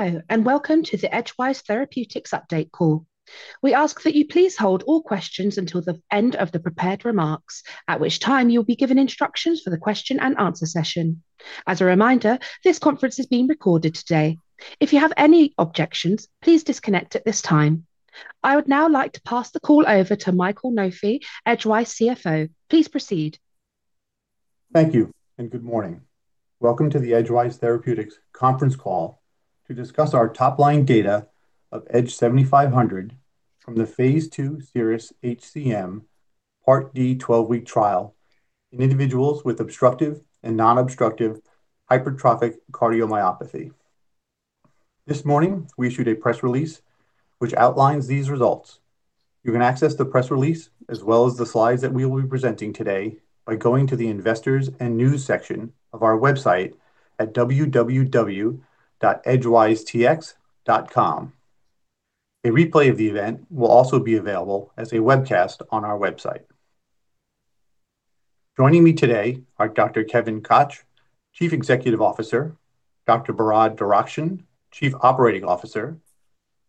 Hello, welcome to the Edgewise Therapeutics Update Call. We ask that you please hold all questions until the end of the prepared remarks, at which time you'll be given instructions for the question and answer session. As a reminder, this conference is being recorded today. If you have any objections, please disconnect at this time. I would now like to pass the call over to Michael Finney, Edgewise CFO. Please proceed. Thank you, good morning. Welcome to the Edgewise Therapeutics conference call to discuss our top-line data of EDG-7500 from the phase II CIRRUS-HCM Part D 12-week trial in individuals with obstructive and non-obstructive hypertrophic cardiomyopathy. This morning, we issued a press release which outlines these results. You can access the press release as well as the slides that we will be presenting today by going to the investors and news section of our website at www.edgwisetx.com. A replay of the event will also be available as a webcast on our website. Joining me today are Dr. Kevin Koch, Chief Executive Officer, Dr. Behrad Darakhshan, Chief Operating Officer,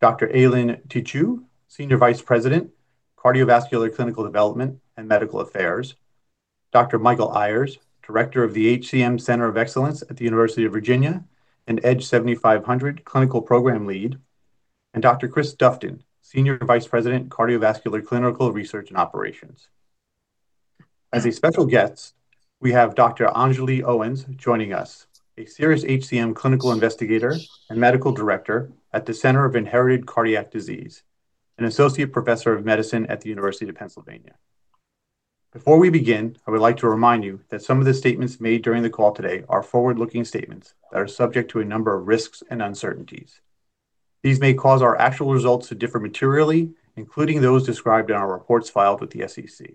Dr. Aileen Tietchu, Senior Vice President, Cardiovascular Clinical Development and Medical Affairs, Dr. Michael Ayers, Director of the HCM Center of Excellence at the University of Virginia and EDG-7500 Clinical Program Lead, and Dr. Chris Dufton, Senior Vice President, Cardiovascular Clinical Research and Operations. As a special guest, we have Dr. Anjali Tiku Owens joining us, a CIRRUS-HCM clinical investigator and Medical Director at the Center for Inherited Cardiac Disease, an associate professor of medicine at the University of Pennsylvania. Before we begin, I would like to remind you that some of the statements made during the call today are forward-looking statements that are subject to a number of risks and uncertainties. These may cause our actual results to differ materially, including those described in our reports filed with the SEC.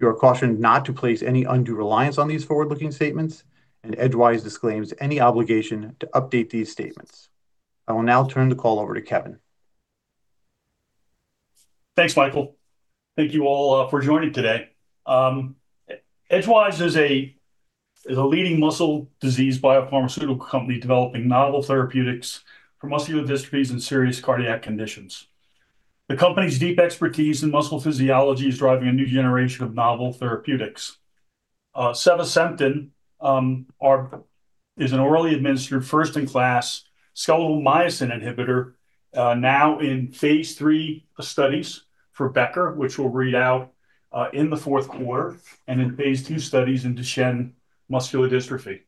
You are cautioned not to place any undue reliance on these forward-looking statements. Edgewise disclaims any obligation to update these statements. I will now turn the call over to Kevin. Thanks, Michael. Thank you all for joining today. Edgewise is a leading muscle disease biopharmaceutical company developing novel therapeutics for muscular dystrophies and serious cardiac conditions. The company's deep expertise in muscle physiology is driving a new generation of novel therapeutics. sevasemten is an orally administered first-in-class skeletal myosin inhibitor, now in phase III studies for Becker, which we'll read out in the fourth quarter, and in phase II studies in Duchenne muscular dystrophy.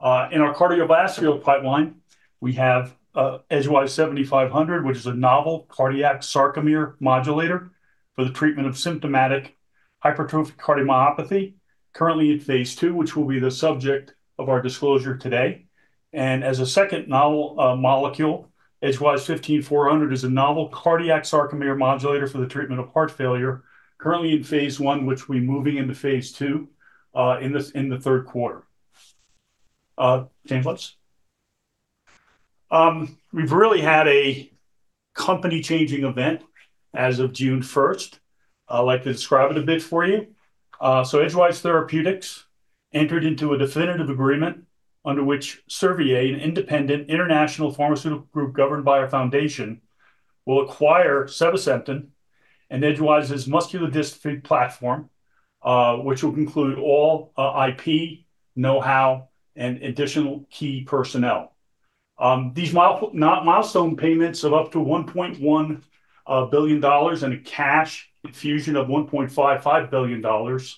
In our cardiovascular pipeline, we have EDG-7500, which is a novel cardiac sarcomere modulator for the treatment of symptomatic hypertrophic cardiomyopathy, currently in phase II, which will be the subject of our disclosure today. As a second novel molecule, EDG-15400 is a novel cardiac sarcomere modulator for the treatment of heart failure, currently in phase I, which will be moving into phase II in the third quarter. Change slides. We've really had a company-changing event as of June 1st. I'd like to describe it a bit for you. Edgewise Therapeutics entered into a definitive agreement under which Servier, an independent international pharmaceutical group governed by our foundation, will acquire sevasemten and Edgewise's muscular dystrophy platform, which will include all IP, know-how, and additional key personnel. These milestone payments of up to $1.1 billion and a cash infusion of $1.55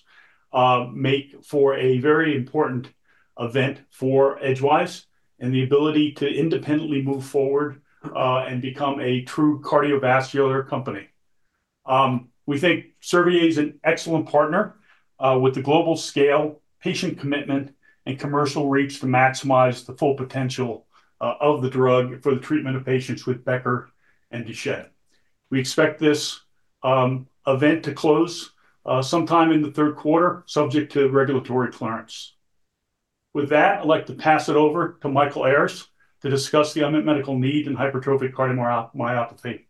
billion make for a very important event for Edgewise, and the ability to independently move forward, and become a true cardiovascular company. We think Servier is an excellent partner with the global scale, patient commitment, and commercial reach to maximize the full potential of the drug for the treatment of patients with Becker and Duchenne. We expect this event to close sometime in the third quarter, subject to regulatory clearance. With that, I'd like to pass it over to Michael Ayers to discuss the unmet medical need in hypertrophic cardiomyopathy.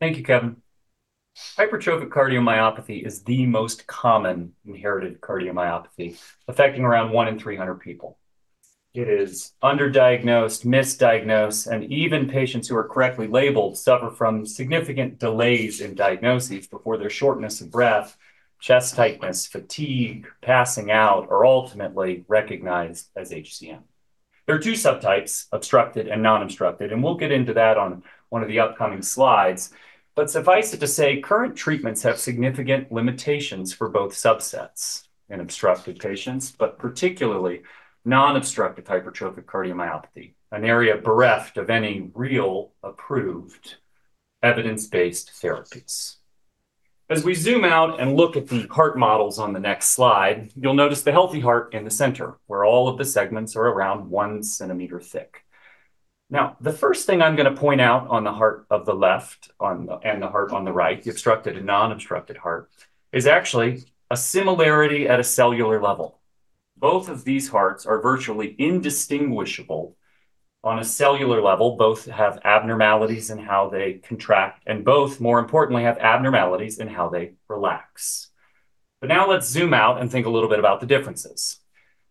Thank you, Kevin. Hypertrophic cardiomyopathy is the most common inherited cardiomyopathy, affecting around one in 300 people. It is underdiagnosed, misdiagnosed, and even patients who are correctly labeled suffer from significant delays in diagnoses before their shortness of breath, chest tightness, fatigue, passing out are ultimately recognized as HCM. There are two subtypes, obstructive and non-obstructive, we'll get into that on one of the upcoming slides. Suffice it to say, current treatments have significant limitations for both subsets in obstructive patients, but particularly non-obstructive hypertrophic cardiomyopathy, an area bereft of any real approved evidence-based therapies. As we zoom out and look at the heart models on the next slide, you'll notice the healthy heart in the center, where all of the segments are around one centimeter thick. The first thing I'm going to point out on the heart of the left and the heart on the right, the obstructed and non-obstructed heart, is actually a similarity at a cellular level. Both of these hearts are virtually indistinguishable on a cellular level. Both have abnormalities in how they contract, and both, more importantly, have abnormalities in how they relax. Now let's zoom out and think a little bit about the differences.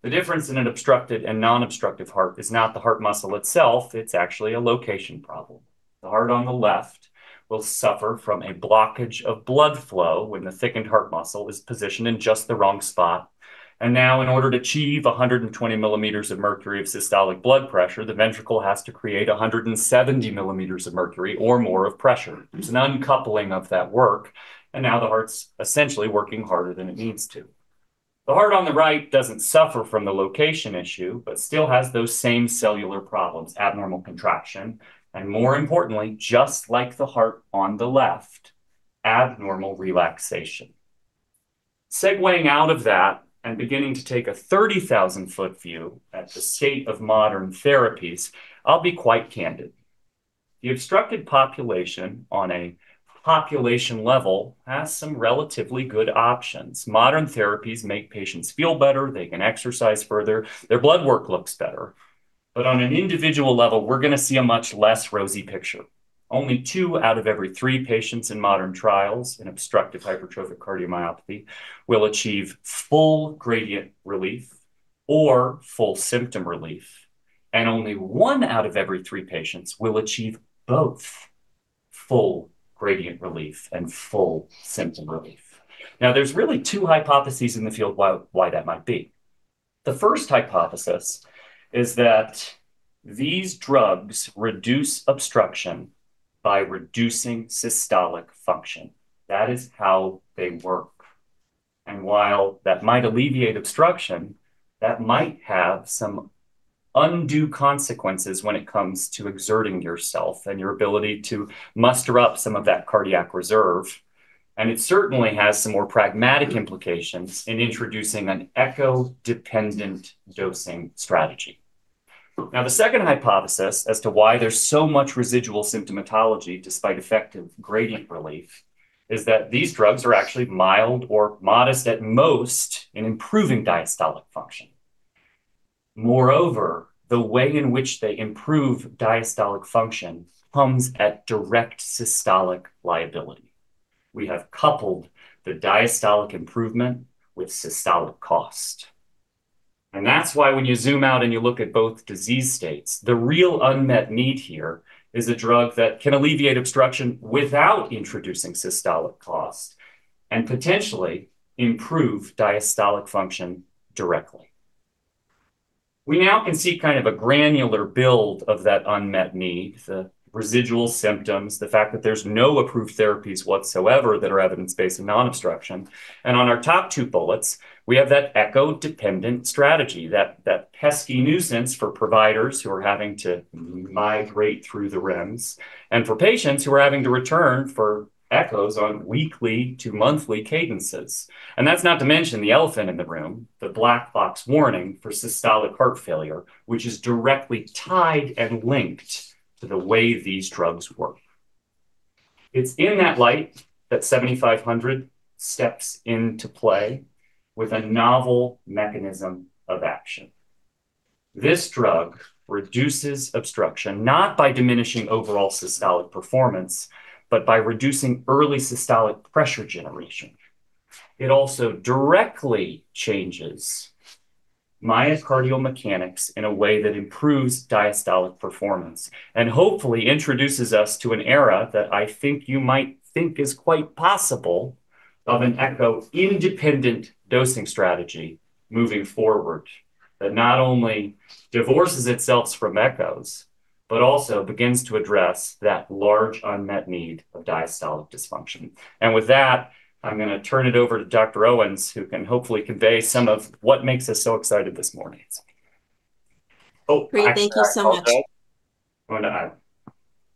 The difference in an obstructive and non-obstructive heart is not the heart muscle itself, it's actually a location problem. The heart on the left will suffer from a blockage of blood flow when the thickened heart muscle is positioned in just the wrong spot. Now in order to achieve 120 mm of mercury of systolic blood pressure, the ventricle has to create 170 mm of mercury or more of pressure. There's an uncoupling of that work, now the heart's essentially working harder than it needs to. The heart on the right doesn't suffer from the location issue, but still has those same cellular problems, abnormal contraction, and more importantly, just like the heart on the left, abnormal relaxation. Segueing out of that and beginning to take a 30,000-foot view at the state of modern therapies, I'll be quite candid. The obstructed population on a population level has some relatively good options. Modern therapies make patients feel better. They can exercise further. Their blood work looks better. On an individual level, we're going to see a much less rosy picture. Only two out of every three patients in modern trials in obstructive hypertrophic cardiomyopathy will achieve full gradient relief or full symptom relief, and only one out of every three patients will achieve both full gradient relief and full symptom relief. There's really two hypotheses in the field why that might be. The first hypothesis is that these drugs reduce obstruction by reducing systolic function. That is how they work. While that might alleviate obstruction, that might have some undue consequences when it comes to exerting yourself and your ability to muster up some of that cardiac reserve, it certainly has some more pragmatic implications in introducing an echo-dependent dosing strategy. The second hypothesis as to why there's so much residual symptomatology despite effective gradient relief is that these drugs are actually mild or modest at most in improving diastolic function. Moreover, the way in which they improve diastolic function comes at direct systolic liability. We have coupled the diastolic improvement with systolic cost. That's why when you zoom out and you look at both disease states, the real unmet need here is a drug that can alleviate obstruction without introducing systolic cost potentially improve diastolic function directly. We now can see kind of a granular build of that unmet need, the residual symptoms, the fact that there's no approved therapies whatsoever that are evidence-based in non-obstruction. On our top two bullets, we have that echo-dependent strategy, that pesky nuisance for providers who are having to migrate through the REMS, and for patients who are having to return for echoes on weekly to monthly cadences. That's not to mention the elephant in the room, the black box warning for systolic heart failure, which is directly tied and linked to the way these drugs work. It's in that light that EDG-7500 steps into play with a novel mechanism of action. This drug reduces obstruction, not by diminishing overall systolic performance, but by reducing early systolic pressure generation. It also directly changes myocardial mechanics in a way that improves diastolic performance and hopefully introduces us to an era that I think you might think is quite possible of an echo independent dosing strategy moving forward that not only divorces itself from echoes, but also begins to address that large unmet need of diastolic dysfunction. With that, I'm going to turn it over to Dr. Owens, who can hopefully convey some of what makes us so excited this morning. Great. Thank you so much. Going to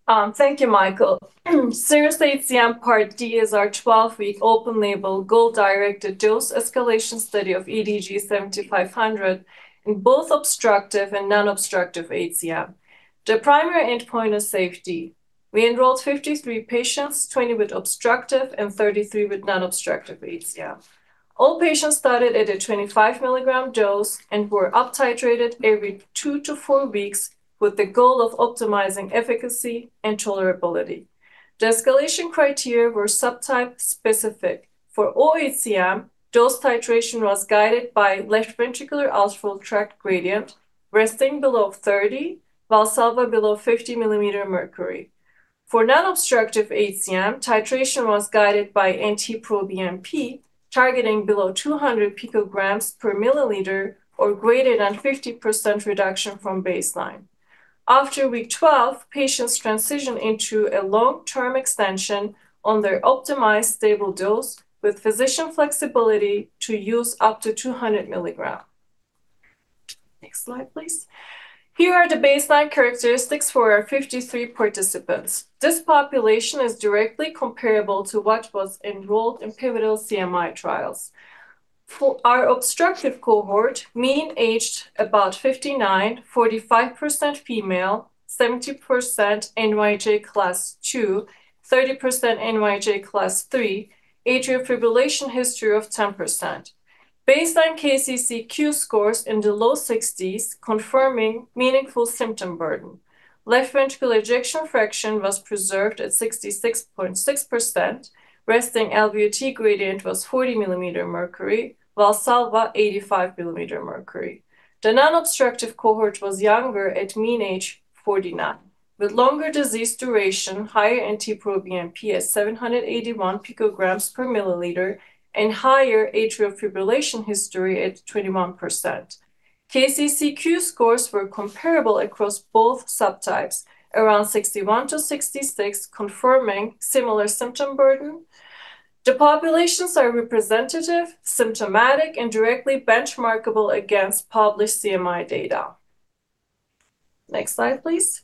add. Thank you, Michael. CIRRUS-HCM Part D is our 12-week open-label, goal-directed dose escalation study of EDG-7500 in both obstructive and non-obstructive HCM. The primary endpoint is safety. We enrolled 53 patients, 20 with obstructive and 33 with non-obstructive HCM. All patients started at a 25 mg dose and were up titrated every two to four weeks with the goal of optimizing efficacy and tolerability. The escalation criteria were subtype specific. For OHCM, dose titration was guided by left ventricular outflow tract gradient resting below 30, Valsalva below 50 mm Hg. For non-obstructive HCM, titration was guided by NT-proBNP targeting below 200 pg/mL or greater than 50% reduction from baseline. After week 12, patients transition into a long-term extension on their optimized stable dose with physician flexibility to use up to 200 mg. Next slide, please. Here are the baseline characteristics for our 53 participants. This population is directly comparable to what was enrolled in pivotal CMI trials. For our obstructive cohort, mean aged about 59, 45% female, 70% NYHA Class II, 30% NYHA Class III, atrial fibrillation history of 10%. Baseline KCCQ scores in the low 60%s, confirming meaningful symptom burden. Left ventricle ejection fraction was preserved at 66.6%. Resting LVOT gradient was 40 mm mercury, Valsalva 85 millimeter mercury. The non-obstructive cohort was younger at mean age 49. With longer disease duration, higher NT-proBNP at 781 picograms per milliliter, and higher atrial fibrillation history at 21%. KCCQ scores were comparable across both subtypes, around 61%-66%, confirming similar symptom burden. The populations are representative, symptomatic, and directly benchmarkable against published CMI data. Next slide, please.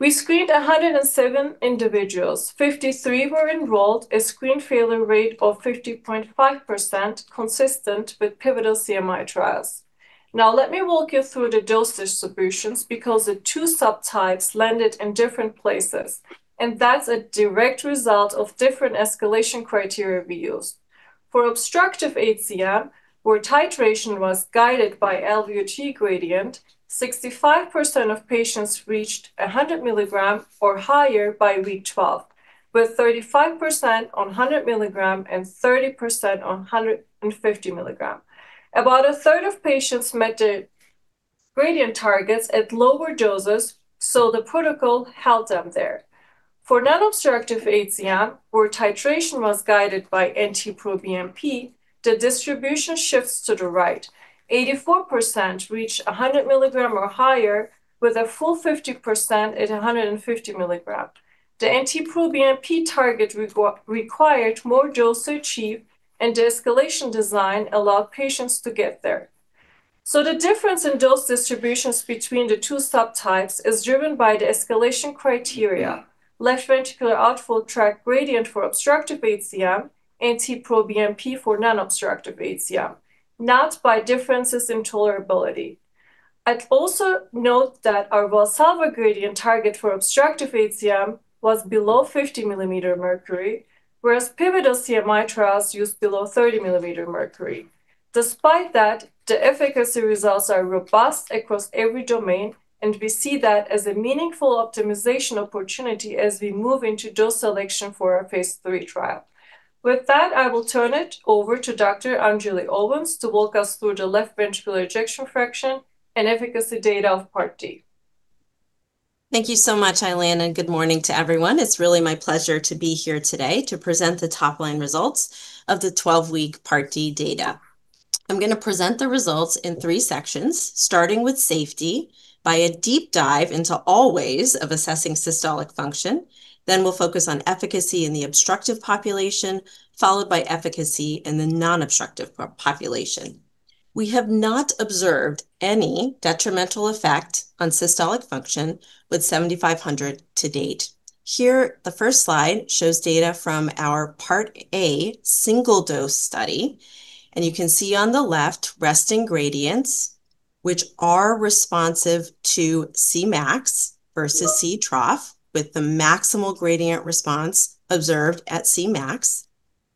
We screened 107 individuals. 53 were enrolled, a screen failure rate of 50.5%, consistent with pivotal CMI trials. Let me walk you through the dose distributions, because the two subtypes landed in different places, and that's a direct result of different escalation criteria we used. For obstructive HCM, where titration was guided by LVOT gradient, 65% of patients reached 100 mg or higher by week 12, with 35% on 100 mg and 30% on 150 mg. About a third of patients met the gradient targets at lower doses, the protocol held them there. For non-obstructive HCM, where titration was guided by NT-proBNP, the distribution shifts to the right. 84% reached 100 mg or higher, with a full 50% at 150 mg. The NT-proBNP target required more dose to achieve, the escalation design allowed patients to get there. The difference in dose distributions between the two subtypes is driven by the escalation criteria, left ventricular outflow tract gradient for obstructive HCM, NT-proBNP for non-obstructive HCM, not by differences in tolerability. I'd also note that our Valsalva gradient target for obstructive HCM was below 50 mm mercury, whereas pivotal CMI trials used below 30 mm mercury. Despite that, the efficacy results are robust across every domain, we see that as a meaningful optimization opportunity as we move into dose selection for our phase III trial. With that, I will turn it over to Dr. Anjali Owens to walk us through the left ventricular ejection fraction and efficacy data of part D. Thank you so much, Aileen, good morning to everyone. It's really my pleasure to be here today to present the top-line results of the 12-week part D data. I'm going to present the results in three sections, starting with safety, by a deep dive into all ways of assessing systolic function. We'll focus on efficacy in the obstructive population, followed by efficacy in the non-obstructive population. We have not observed any detrimental effect on systolic function with 7,500 to date. Here, the first slide shows data from our part A single dose study, you can see on the left resting gradients, which are responsive to Cmax versus C trough, with the maximal gradient response observed at Cmax.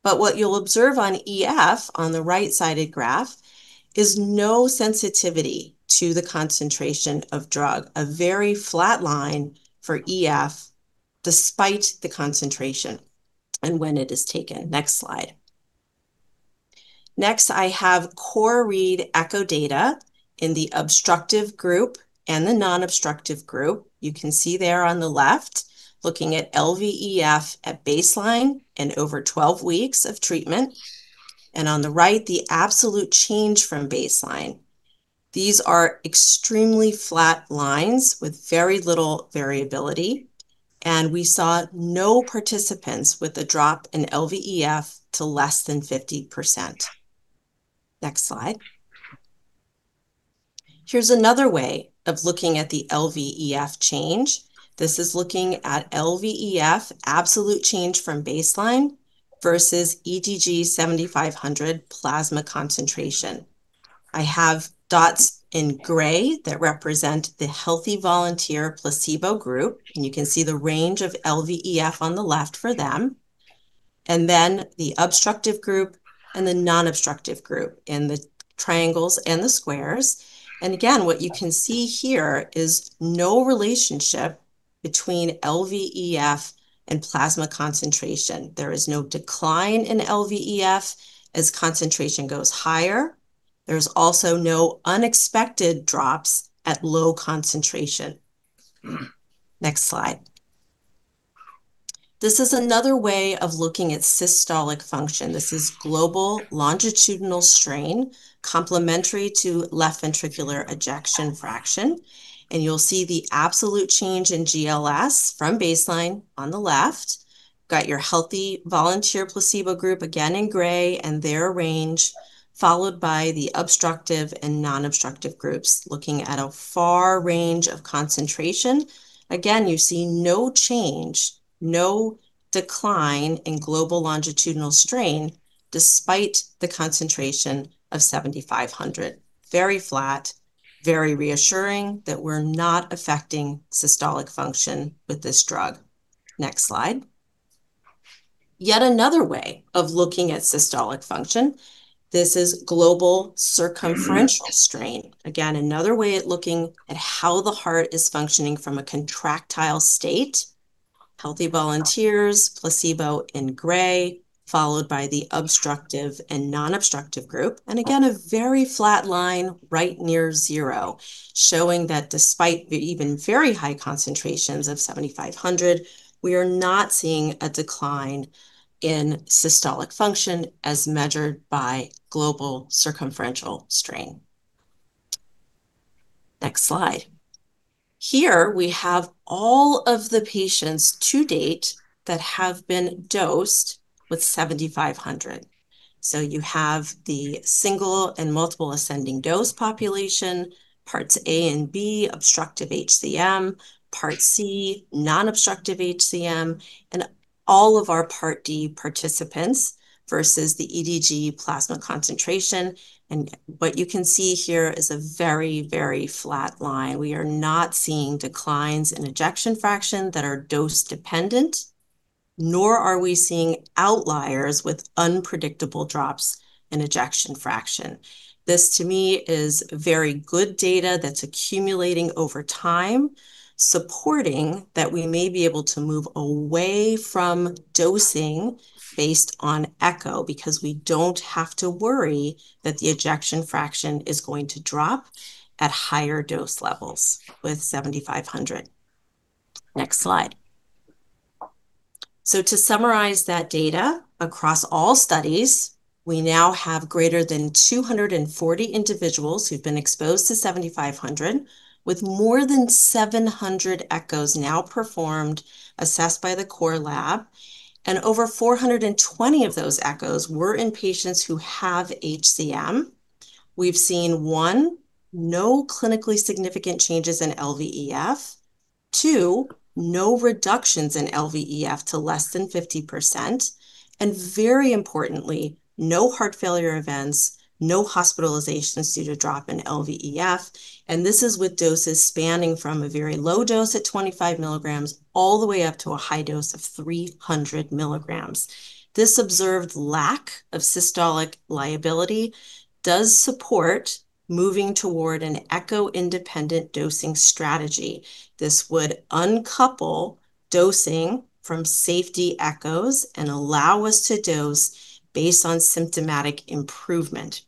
What you'll observe on EF on the right-sided graph is no sensitivity to the concentration of drug, a very flat line for EF despite the concentration and when it is taken. Next slide. Next, I have core read echo data in the obstructive group and the non-obstructive group. You can see there on the left, looking at LVEF at baseline and over 12 weeks of treatment. On the right, the absolute change from baseline. These are extremely flat lines with very little variability, and we saw no participants with a drop in LVEF to less than 50%. Next slide. Here's another way of looking at the LVEF change. This is looking at LVEF absolute change from baseline versus EDG-7500 plasma concentration. I have dots in gray that represent the healthy volunteer placebo group, and you can see the range of LVEF on the left for them. The obstructive group and the non-obstructive group in the triangles and the squares. What you can see here is no relationship between LVEF and plasma concentration. There is no decline in LVEF as concentration goes higher. There's also no unexpected drops at low concentration. Next slide. This is another way of looking at systolic function. This is global longitudinal strain complementary to left ventricular ejection fraction. You'll see the absolute change in GLS from baseline on the left. Got your healthy volunteer placebo group again in gray and their range, followed by the obstructive and non-obstructive groups looking at a far range of concentration. Again, you see no change, no decline in global longitudinal strain despite the concentration of 7,500. Very flat, very reassuring that we're not affecting systolic function with this drug. Next slide. Yet another way of looking at systolic function. This is global circumferential strain. Again, another way at looking at how the heart is functioning from a contractile state. Healthy volunteers, placebo in gray, followed by the obstructive and non-obstructive group. Again, a very flat line right near zero, showing that despite even very high concentrations of 7,500, we are not seeing a decline in systolic function as measured by global circumferential strain. Next slide. Here, we have all of the patients to date that have been dosed with 7,500. You have the single and multiple ascending dose population, Parts A and B, obstructive HCM, Part C, non-obstructive HCM, and all of our Part D participants versus the EDG plasma concentration. What you can see here is a very, very flat line. We are not seeing declines in ejection fraction that are dose-dependent, nor are we seeing outliers with unpredictable drops in ejection fraction. This, to me, is very good data that's accumulating over time, supporting that we may be able to move away from dosing based on echo, because we don't have to worry that the ejection fraction is going to drop at higher dose levels with 7,500. Next slide. To summarize that data across all studies, we now have greater than 240 individuals who've been exposed to 7,500, with more than 700 echos now performed, assessed by the core lab, and over 420 of those echos were in patients who have HCM. We've seen, one, no clinically significant changes in LVEF. Two, no reductions in LVEF to less than 50%. Very importantly, no heart failure events, no hospitalizations due to drop in LVEF. This is with doses spanning from a very low dose at 25 mg all the way up to a high dose of 300 mg. This observed lack of systolic liability does support moving toward an echo-independent dosing strategy. This would uncouple dosing from safety echoes and allow us to dose based on symptomatic improvement.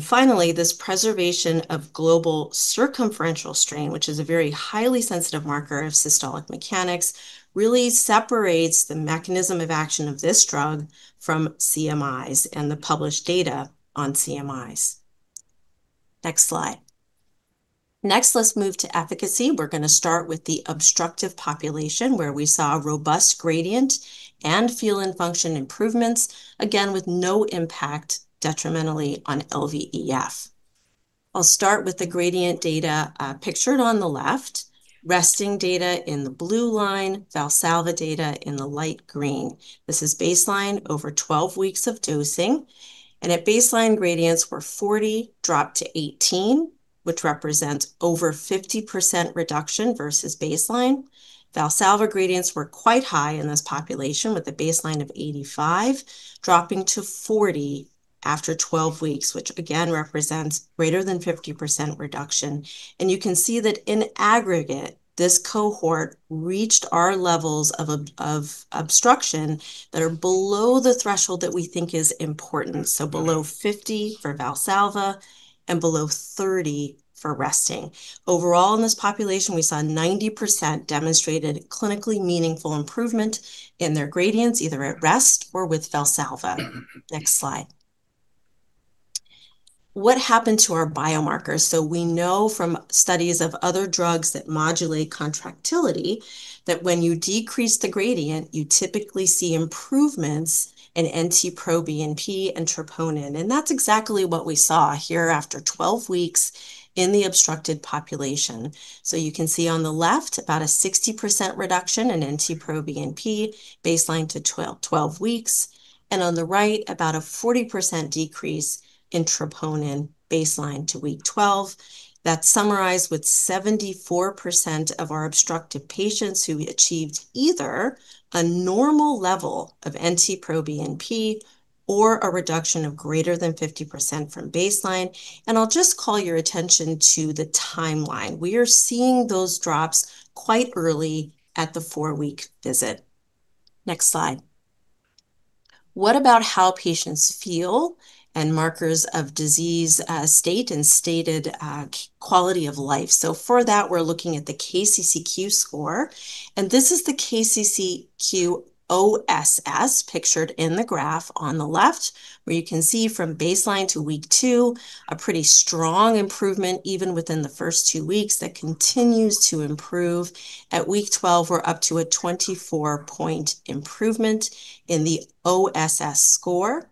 Finally, this preservation of global circumferential strain, which is a very highly sensitive marker of systolic mechanics, really separates the mechanism of action of this drug from CMIs and the published data on CMIs. Next slide. Let's move to efficacy. We're going to start with the obstructive population, where we saw a robust gradient and feel and function improvements, again, with no impact detrimentally on LVEF. I'll start with the gradient data pictured on the left, resting data in the blue line, Valsalva data in the light green. This is baseline over 12 weeks of dosing. At baseline, gradients were 40, dropped to 18, which represents over 50% reduction versus baseline. Valsalva gradients were quite high in this population, with a baseline of 85 dropping to 40 after 12 weeks, which again represents greater than 50% reduction. You can see that in aggregate, this cohort reached our levels of obstruction that are below the threshold that we think is important. Below 50 for Valsalva and below 30 for resting. Overall, in this population, we saw 90% demonstrated clinically meaningful improvement in their gradients, either at rest or with Valsalva. Next slide. What happened to our biomarkers? We know from studies of other drugs that modulate contractility, that when you decrease the gradient, you typically see improvements in NT-proBNP and troponin. That's exactly what we saw here after 12 weeks in the obstructed population. You can see on the left, about a 60% reduction in NT-proBNP, baseline to 12 weeks. On the right, about a 40% decrease in troponin, baseline to week 12. That's summarized with 74% of our obstructive patients who achieved either a normal level of NT-proBNP or a reduction of greater than 50% from baseline. I'll just call your attention to the timeline. We are seeing those drops quite early at the four-week visit. Next slide. What about how patients feel and markers of disease state and stated quality of life? For that, we're looking at the KCCQ score, this is the KCCQ-OSS pictured in the graph on the left, where you can see from baseline to week two, a pretty strong improvement, even within the first two weeks, that continues to improve. At week 12, we're up to a 24-point improvement in the OSS score.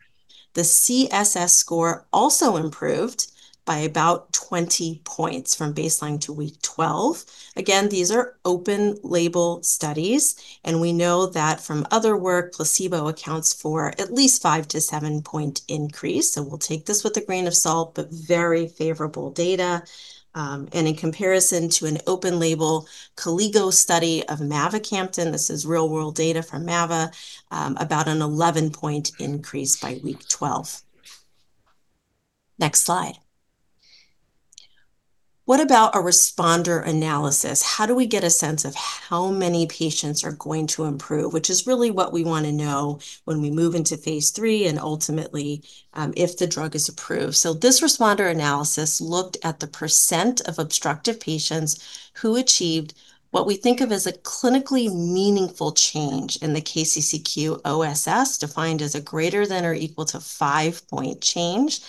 The CSS score also improved by about 20 points from baseline to week 12. Again, these are open-label studies, we know that from other work, placebo accounts for at least five to seven-point increase. We'll take this with a grain of salt. Very favorable data. In comparison to an open-label CAMZYOS study of mavacamten, this is real-world data from Mava, about an 11-point increase by week 12. Next slide. What about a responder analysis? How do we get a sense of how many patients are going to improve? Which is really what we want to know when we move into phase III and ultimately if the drug is approved. This responder analysis looked at the percent of obstructive patients who achieved what we think of as a clinically meaningful change in the KCCQ-OSS, defined as a greater than or equal to five-point change.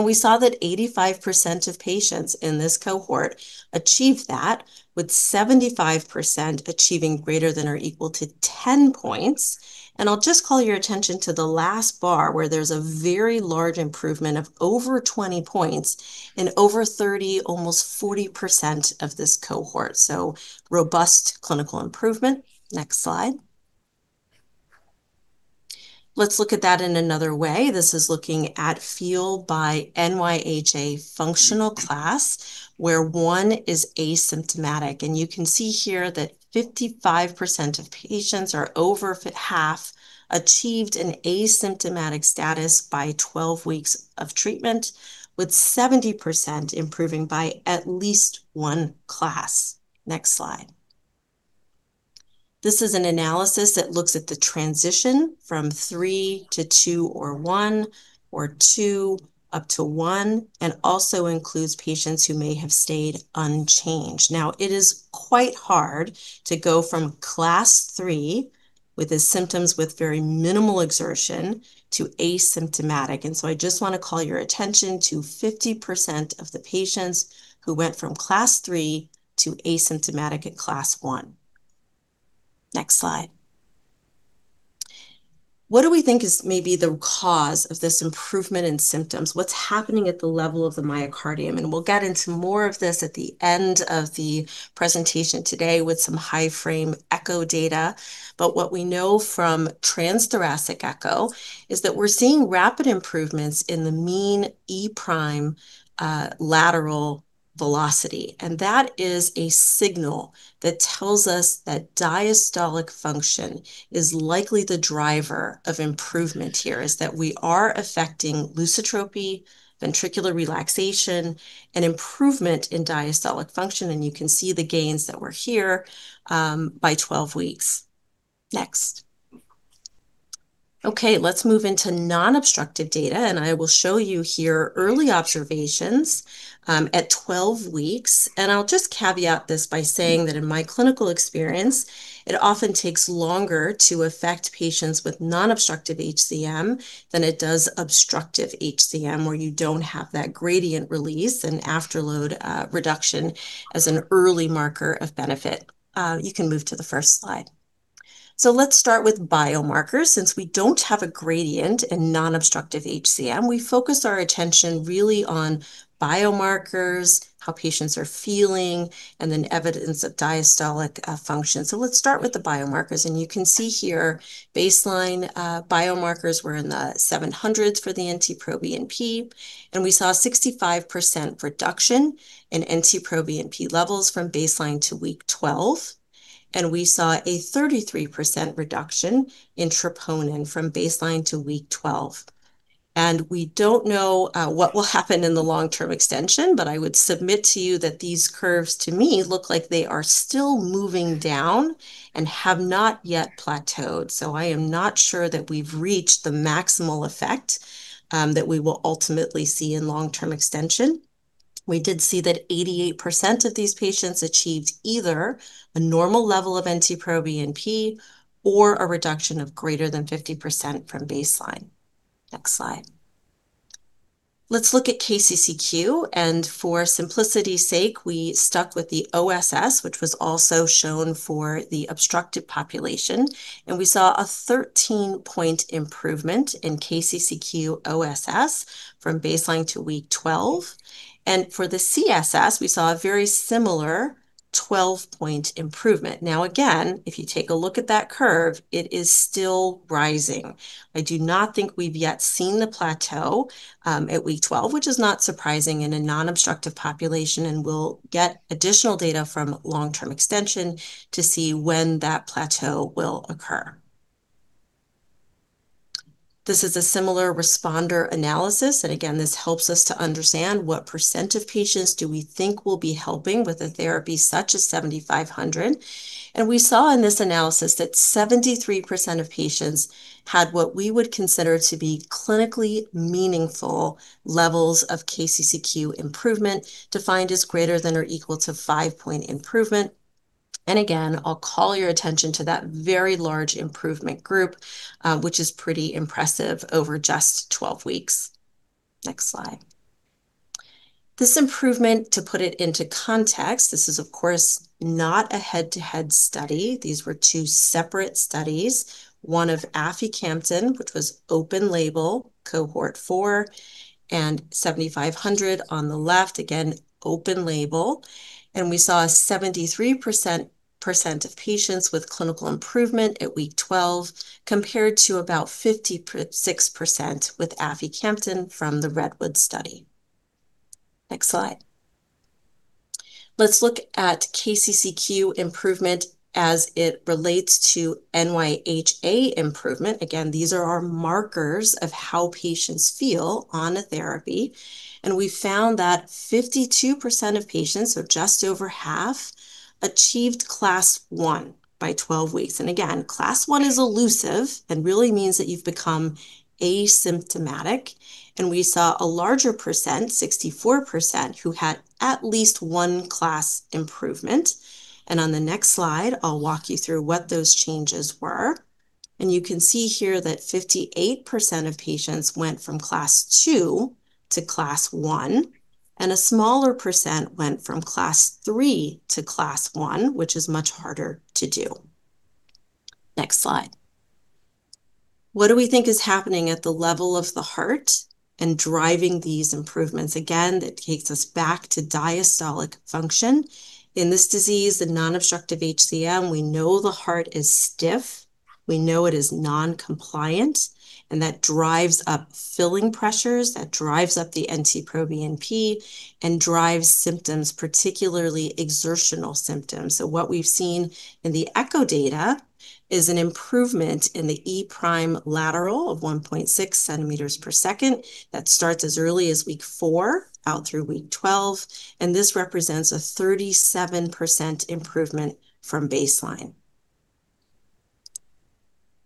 We saw that 85% of patients in this cohort achieved that, with 75% achieving greater than or equal to 10 points. I will just call your attention to the last bar, where there is a very large improvement of over 20 points in over 30, almost 40% of this cohort. Robust clinical improvement. Next slide. Let us look at that in another way. This is looking at feel by NYHA functional class, where one is asymptomatic. You can see here that 55% of patients or over half achieved an asymptomatic status by 12 weeks of treatment, with 70% improving by at least one class. Next slide. This is an analysis that looks at the transition from three to two or one, or two up to one, and also includes patients who may have stayed unchanged. It is quite hard to go from class 3, with the symptoms with very minimal exertion, to asymptomatic, and so I just want to call your attention to 50% of the patients who went from class 3 to asymptomatic at class 1. Next slide. What do we think is maybe the cause of this improvement in symptoms? What is happening at the level of the myocardium? We will get into more of this at the end of the presentation today with some high frame echo data. What we know from transthoracic echo is that we are seeing rapid improvements in the mean E prime lateral velocity. That is a signal that tells us that diastolic function is likely the driver of improvement here, is that we are affecting lusitropy, ventricular relaxation, and improvement in diastolic function, and you can see the gains that were here by 12 weeks. Next. Let us move into non-obstructive data, and I will show you here early observations at 12 weeks. I will just caveat this by saying that in my clinical experience, it often takes longer to affect patients with non-obstructive HCM than it does obstructive HCM, where you do not have that gradient release and afterload reduction as an early marker of benefit. You can move to the first slide. Let us start with biomarkers. Since we do not have a gradient in non-obstructive HCM, we focus our attention really on biomarkers, how patients are feeling, and then evidence of diastolic function. Let us start with the biomarkers, and you can see here baseline biomarkers were in the 700s for the NT-proBNP, and we saw a 65% reduction in NT-proBNP levels from baseline to week 12. We saw a 33% reduction in troponin from baseline to week 12. We do not know what will happen in the long-term extension, but I would submit to you that these curves to me look like they are still moving down and have not yet plateaued. I am not sure that we have reached the maximal effect that we will ultimately see in long-term extension. We did see that 88% of these patients achieved either a normal level of NT-proBNP or a reduction of greater than 50% from baseline. Next slide. Let us look at KCCQ, and for simplicity's sake, we stuck with the OSS, which was also shown for the obstructive population, and we saw a 13-point improvement in KCCQ-OSS from baseline to week 12. For the CSS, we saw a very similar 12-point improvement. Again, if you take a look at that curve, it is still rising. I do not think we've yet seen the plateau at week 12, which is not surprising in a non-obstructive population and we'll get additional data from long-term extension to see when that plateau will occur. This is a similar responder analysis. This helps us to understand what percent of patients do we think we'll be helping with a therapy such as EDG-7500. We saw in this analysis that 73% of patients had what we would consider to be clinically meaningful levels of KCCQ improvement, defined as greater than or equal to five-point improvement. I'll call your attention to that very large improvement group, which is pretty impressive over just 12 weeks. Next slide. This improvement, to put it into context, this is of course not a head-to-head study. These were two separate studies. One of aficamten, which was open-label, cohort four, and EDG-7500 on the left, again, open-label. We saw 73% of patients with clinical improvement at week 12, compared to about 56% with aficamten from the REDWOOD-HCM study. Next slide. Let's look at KCCQ improvement as it relates to NYHA improvement. Again, these are our markers of how patients feel on a therapy. We found that 52% of patients, so just over half, achieved Class 1 by 12 weeks. Class 1 is elusive and really means that you've become asymptomatic. We saw a larger percent, 64%, who had at least one class improvement. On the next slide, I'll walk you through what those changes were. You can see here that 58% of patients went from Class 2 to Class 1, and a smaller percent went from Class 3 to Class 1, which is much harder to do. Next slide. What do we think is happening at the level of the heart and driving these improvements? Again, that takes us back to diastolic function. In this disease, the non-obstructive HCM, we know the heart is stiff, we know it is non-compliant, and that drives up filling pressures, that drives up the NT-proBNP, and drives symptoms, particularly exertional symptoms. What we've seen in the echo data is an improvement in the E prime lateral of 1.6 cm per second that starts as early as week four out through week 12, and this represents a 37% improvement from baseline.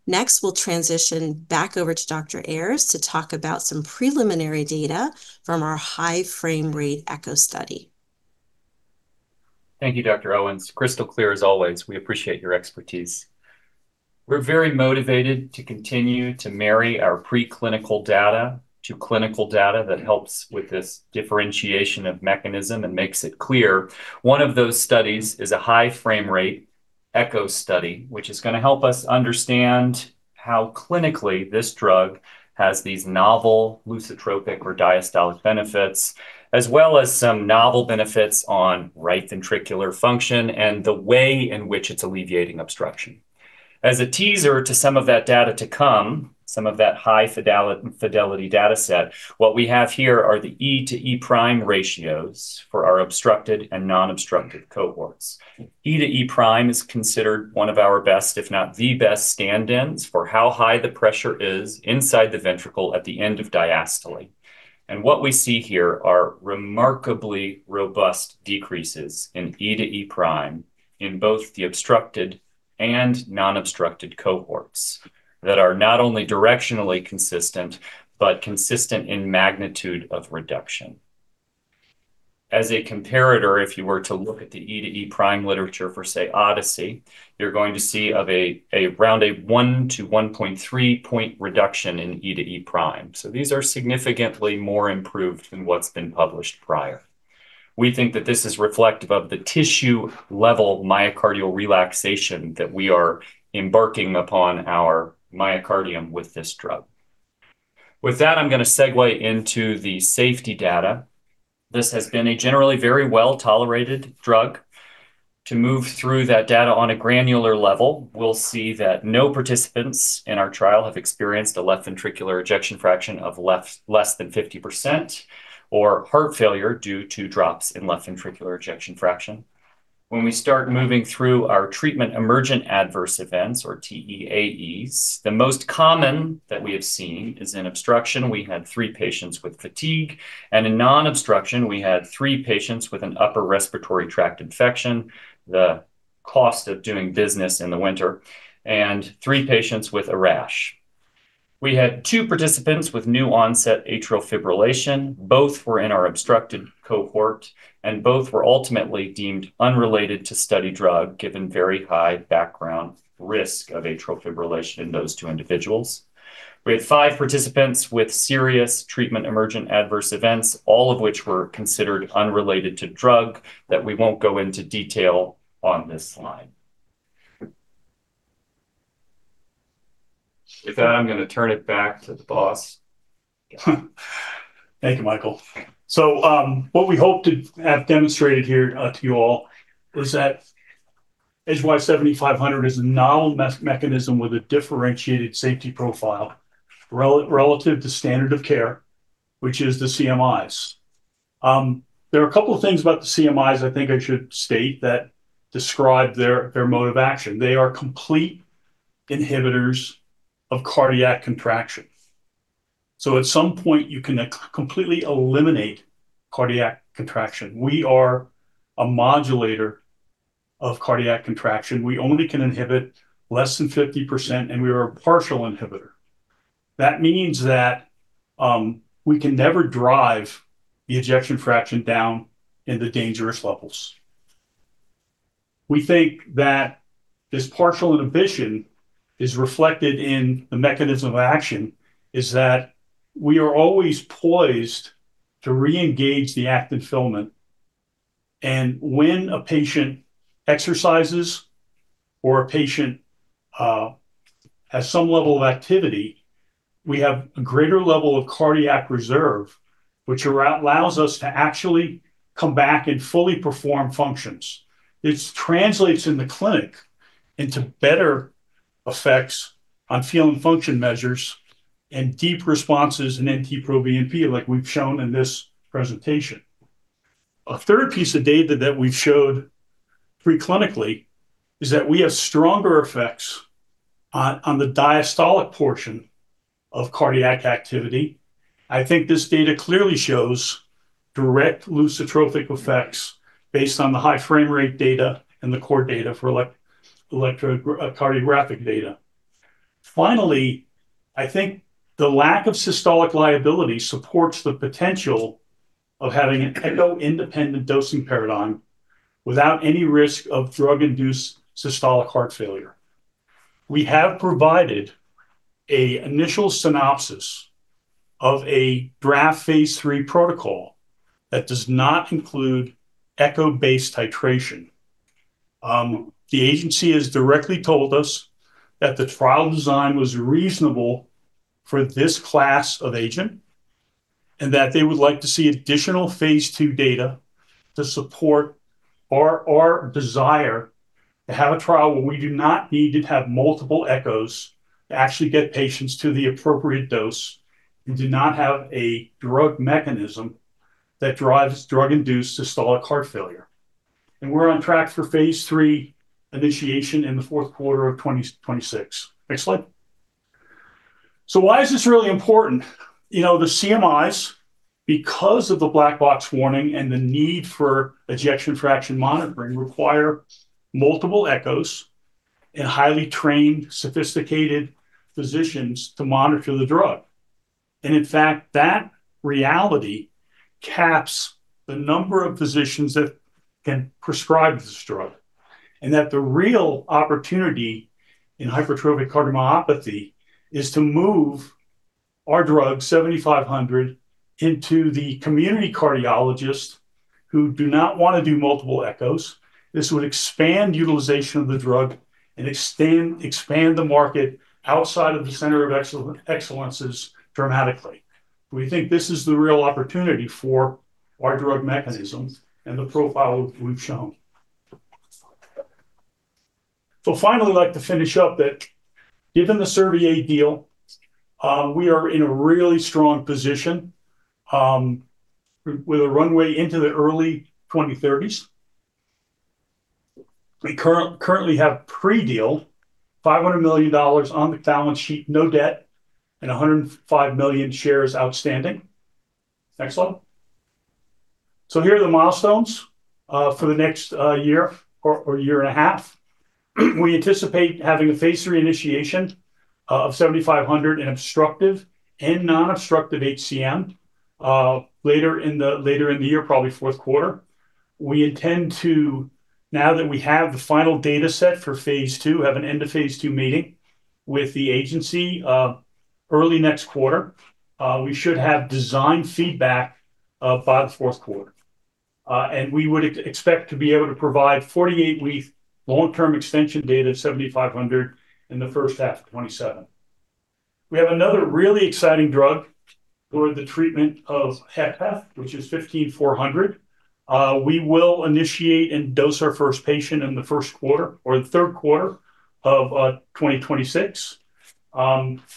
Next, we'll transition back over to Dr. Ayers to talk about some preliminary data from our high frame rate echo study. Thank you, Dr. Owens. Crystal clear as always. We appreciate your expertise. We're very motivated to continue to marry our pre-clinical data to clinical data that helps with this differentiation of mechanism and makes it clear. One of those studies is a high frame rate echo study, which is going to help us understand how clinically this drug has these novel lusitropic or diastolic benefits, as well as some novel benefits on right ventricular function and the way in which it's alleviating obstruction. As a teaser to some of that data to come, some of that high-fidelity data set, what we have here are the E/e' ratios for our obstructed and non-obstructed cohorts. E/e' is considered one of our best, if not the best, stand-ins for how high the pressure is inside the ventricle at the end of diastole. What we see here are remarkably robust decreases in E/e' in both the obstructed and non-obstructed cohorts that are not only directionally consistent, but consistent in magnitude of reduction. As a comparator, if you were to look at the E/e' literature for, say, ODYSSEY, you're going to see around a one to 1.3 point reduction in E/e'. These are significantly more improved than what's been published prior. We think that this is reflective of the tissue-level myocardial relaxation that we are embarking upon our myocardium with this drug. With that, I'm going to segue into the safety data. This has been a generally very well-tolerated drug. To move through that data on a granular level, we'll see that no participants in our trial have experienced a left ventricular ejection fraction of less than 50% or heart failure due to drops in left ventricular ejection fraction. When we start moving through our Treatment-Emergent Adverse Events, or TEAEs, the most common that we have seen is in obstruction. We had three patients with fatigue, and in non-obstruction, we had three patients with an upper respiratory tract infection, the cost of doing business in the winter, and three patients with a rash. We had two participants with new onset atrial fibrillation. Both were in our obstructed cohort, and both were ultimately deemed unrelated to study drug, given very high background risk of atrial fibrillation in those two individuals. We had five participants with serious Treatment-Emergent Adverse Events, all of which were considered unrelated to drug that we won't go into detail on this slide. With that, I'm going to turn it back to the boss. Thank you, Michael. What we hope to have demonstrated here to you all is that EDG-7500 is a novel mechanism with a differentiated safety profile relative to standard of care, which is the CMIs. There are a couple of things about the CMIs I think I should state that describe their mode of action. They are complete inhibitors of cardiac contraction. At some point you can completely eliminate cardiac contraction. We are a modulator of cardiac contraction. We only can inhibit less than 50%, and we are a partial inhibitor. That means that we can never drive the ejection fraction down into dangerous levels. We think that this partial inhibition is reflected in the mechanism of action is that we are always poised to reengage the actin filament. When a patient exercises or a patient has some level of activity, we have a greater level of cardiac reserve, which allows us to actually come back and fully perform functions. This translates in the clinic into better effects on feeling function measures and deep responses in NT-proBNP, like we've shown in this presentation. A third piece of data that we've showed pre-clinically is that we have stronger effects on the diastolic portion of cardiac activity. I think this data clearly shows direct lusitrophic effects based on the high frame rate data and the core data for electrocardiographic data. Finally, I think the lack of systolic liability supports the potential of having an echo-independent dosing paradigm without any risk of drug-induced systolic heart failure. We have provided an initial synopsis of a draft phase III protocol that does not include echo-based titration. The agency has directly told us that the trial design was reasonable for this class of agent, that they would like to see additional phase II data to support our desire to have a trial where we do not need to have multiple echoes to actually get patients to the appropriate dose and do not have a drug mechanism that drives drug-induced systolic heart failure. We're on track for phase III initiation in the fourth quarter of 2026. Next slide. Why is this really important? The CMIs, because of the black box warning and the need for ejection fraction monitoring, require multiple echoes and highly trained, sophisticated physicians to monitor the drug. In fact, that reality caps the number of physicians that can prescribe this drug. The real opportunity in hypertrophic cardiomyopathy is to move our drug, 7,500, into the community cardiologist who do not want to do multiple echoes. This would expand utilization of the drug and expand the market outside of the Center of Excellences dramatically. We think this is the real opportunity for our drug mechanisms and the profile we've shown. Finally, I'd like to finish up that given the Servier deal, we are in a really strong position with a runway into the early 2030s. We currently have pre-deal $500 million on the balance sheet, no debt, and 105 million shares outstanding. Next slide. Here are the milestones for the next year or year and a half. We anticipate having a phase III initiation of 7,500 in obstructive and non-obstructive HCM later in the year, probably fourth quarter. We intend to, now that we have the final data set for phase II, have an end-of-phase II meeting with the agency early next quarter. We should have design feedback by the fourth quarter. We would expect to be able to provide 48-week long-term extension data of 7,500 in the first half of 2027. We have another really exciting drug for the treatment of HFpEF, which is 15-400. We will initiate and dose our first patient in the first quarter or the third quarter of 2026.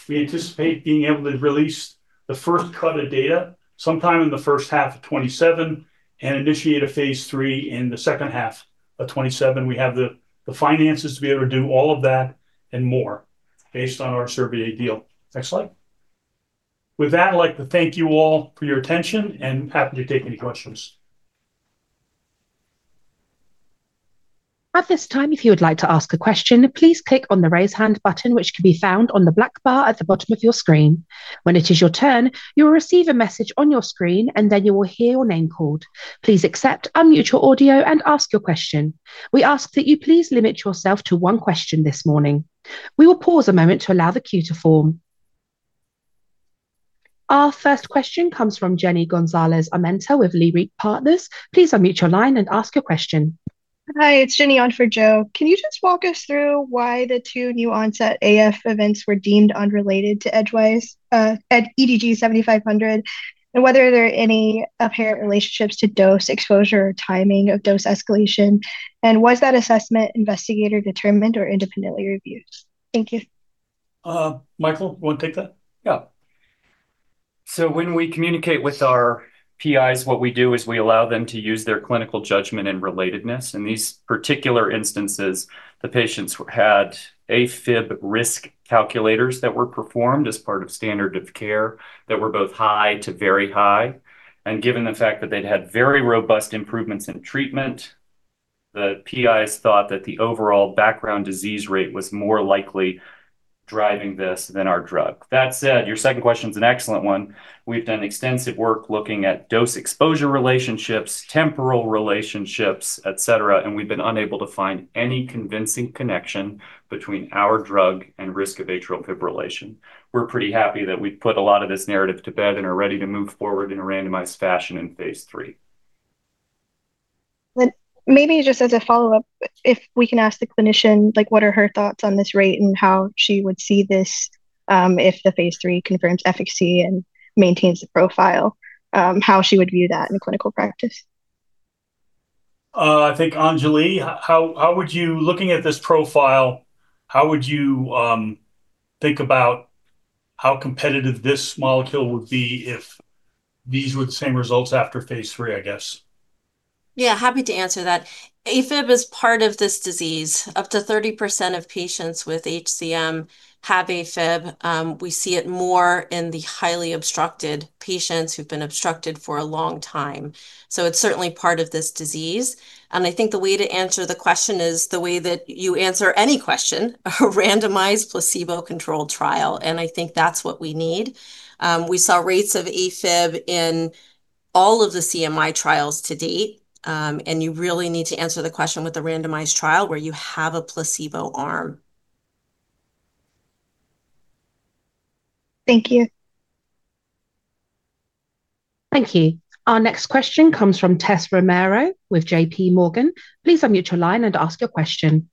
We anticipate being able to release the first cut of data sometime in the first half of 2027 and initiate a phase III in the second half of 2027. We have the finances to be able to do all of that and more based on our Servier deal. Next slide. With that, I'd like to thank you all for your attention and happy to take any questions. At this time, if you would like to ask a question, please click on the Raise Hand button, which can be found on the black bar at the bottom of your screen. When it is your turn, you will receive a message on your screen, and then you will hear your name called. Please accept, unmute your audio, and ask your question. We ask that you please limit yourself to one question this morning. We will pause a moment to allow the queue to form. Our first question comes from Jenny Gonzales-Amento with Leerink Partners. Please unmute your line and ask your question. Hi, it's Jenny on for Joe. Can you just walk us through why the two new onset AFib events were deemed unrelated to EDG-7500, and whether there are any apparent relationships to dose exposure or timing of dose escalation? Was that assessment investigator-determined or independently reviewed? Thank you. Michael, you want to take that? Yeah. When we communicate with our PIs, what we do is we allow them to use their clinical judgment and relatedness. In these particular instances, the patients had AFib risk calculators that were performed as part of standard of care that were both high to very high. Given the fact that they'd had very robust improvements in treatment, the PIs thought that the overall background disease rate was more likely driving this than our drug. That said, your second question is an excellent one. We've done extensive work looking at dose exposure relationships, temporal relationships, et cetera, and we've been unable to find any convincing connection between our drug and risk of atrial fibrillation. We're pretty happy that we've put a lot of this narrative to bed and are ready to move forward in a randomized fashion in phase III. Maybe just as a follow-up, if we can ask the clinician, what are her thoughts on this rate and how she would see this if the phase III confirms efficacy and maintains the profile, how she would view that in clinical practice? I think Anjali, looking at this profile, how would you think about how competitive this molecule would be if these were the same results after phase III, I guess? Yeah, happy to answer that. AFib is part of this disease. Up to 30% of patients with HCM have AFib. We see it more in the highly obstructed patients who've been obstructed for a long time. It's certainly part of this disease. I think the way to answer the question is the way that you answer any question, a randomized placebo-controlled trial. I think that's what we need. We saw rates of AFib in all of the CMI trials to date. You really need to answer the question with a randomized trial where you have a placebo arm. Thank you. Thank you. Our next question comes from Tessa Romero with JPMorgan. Please unmute your line and ask your question.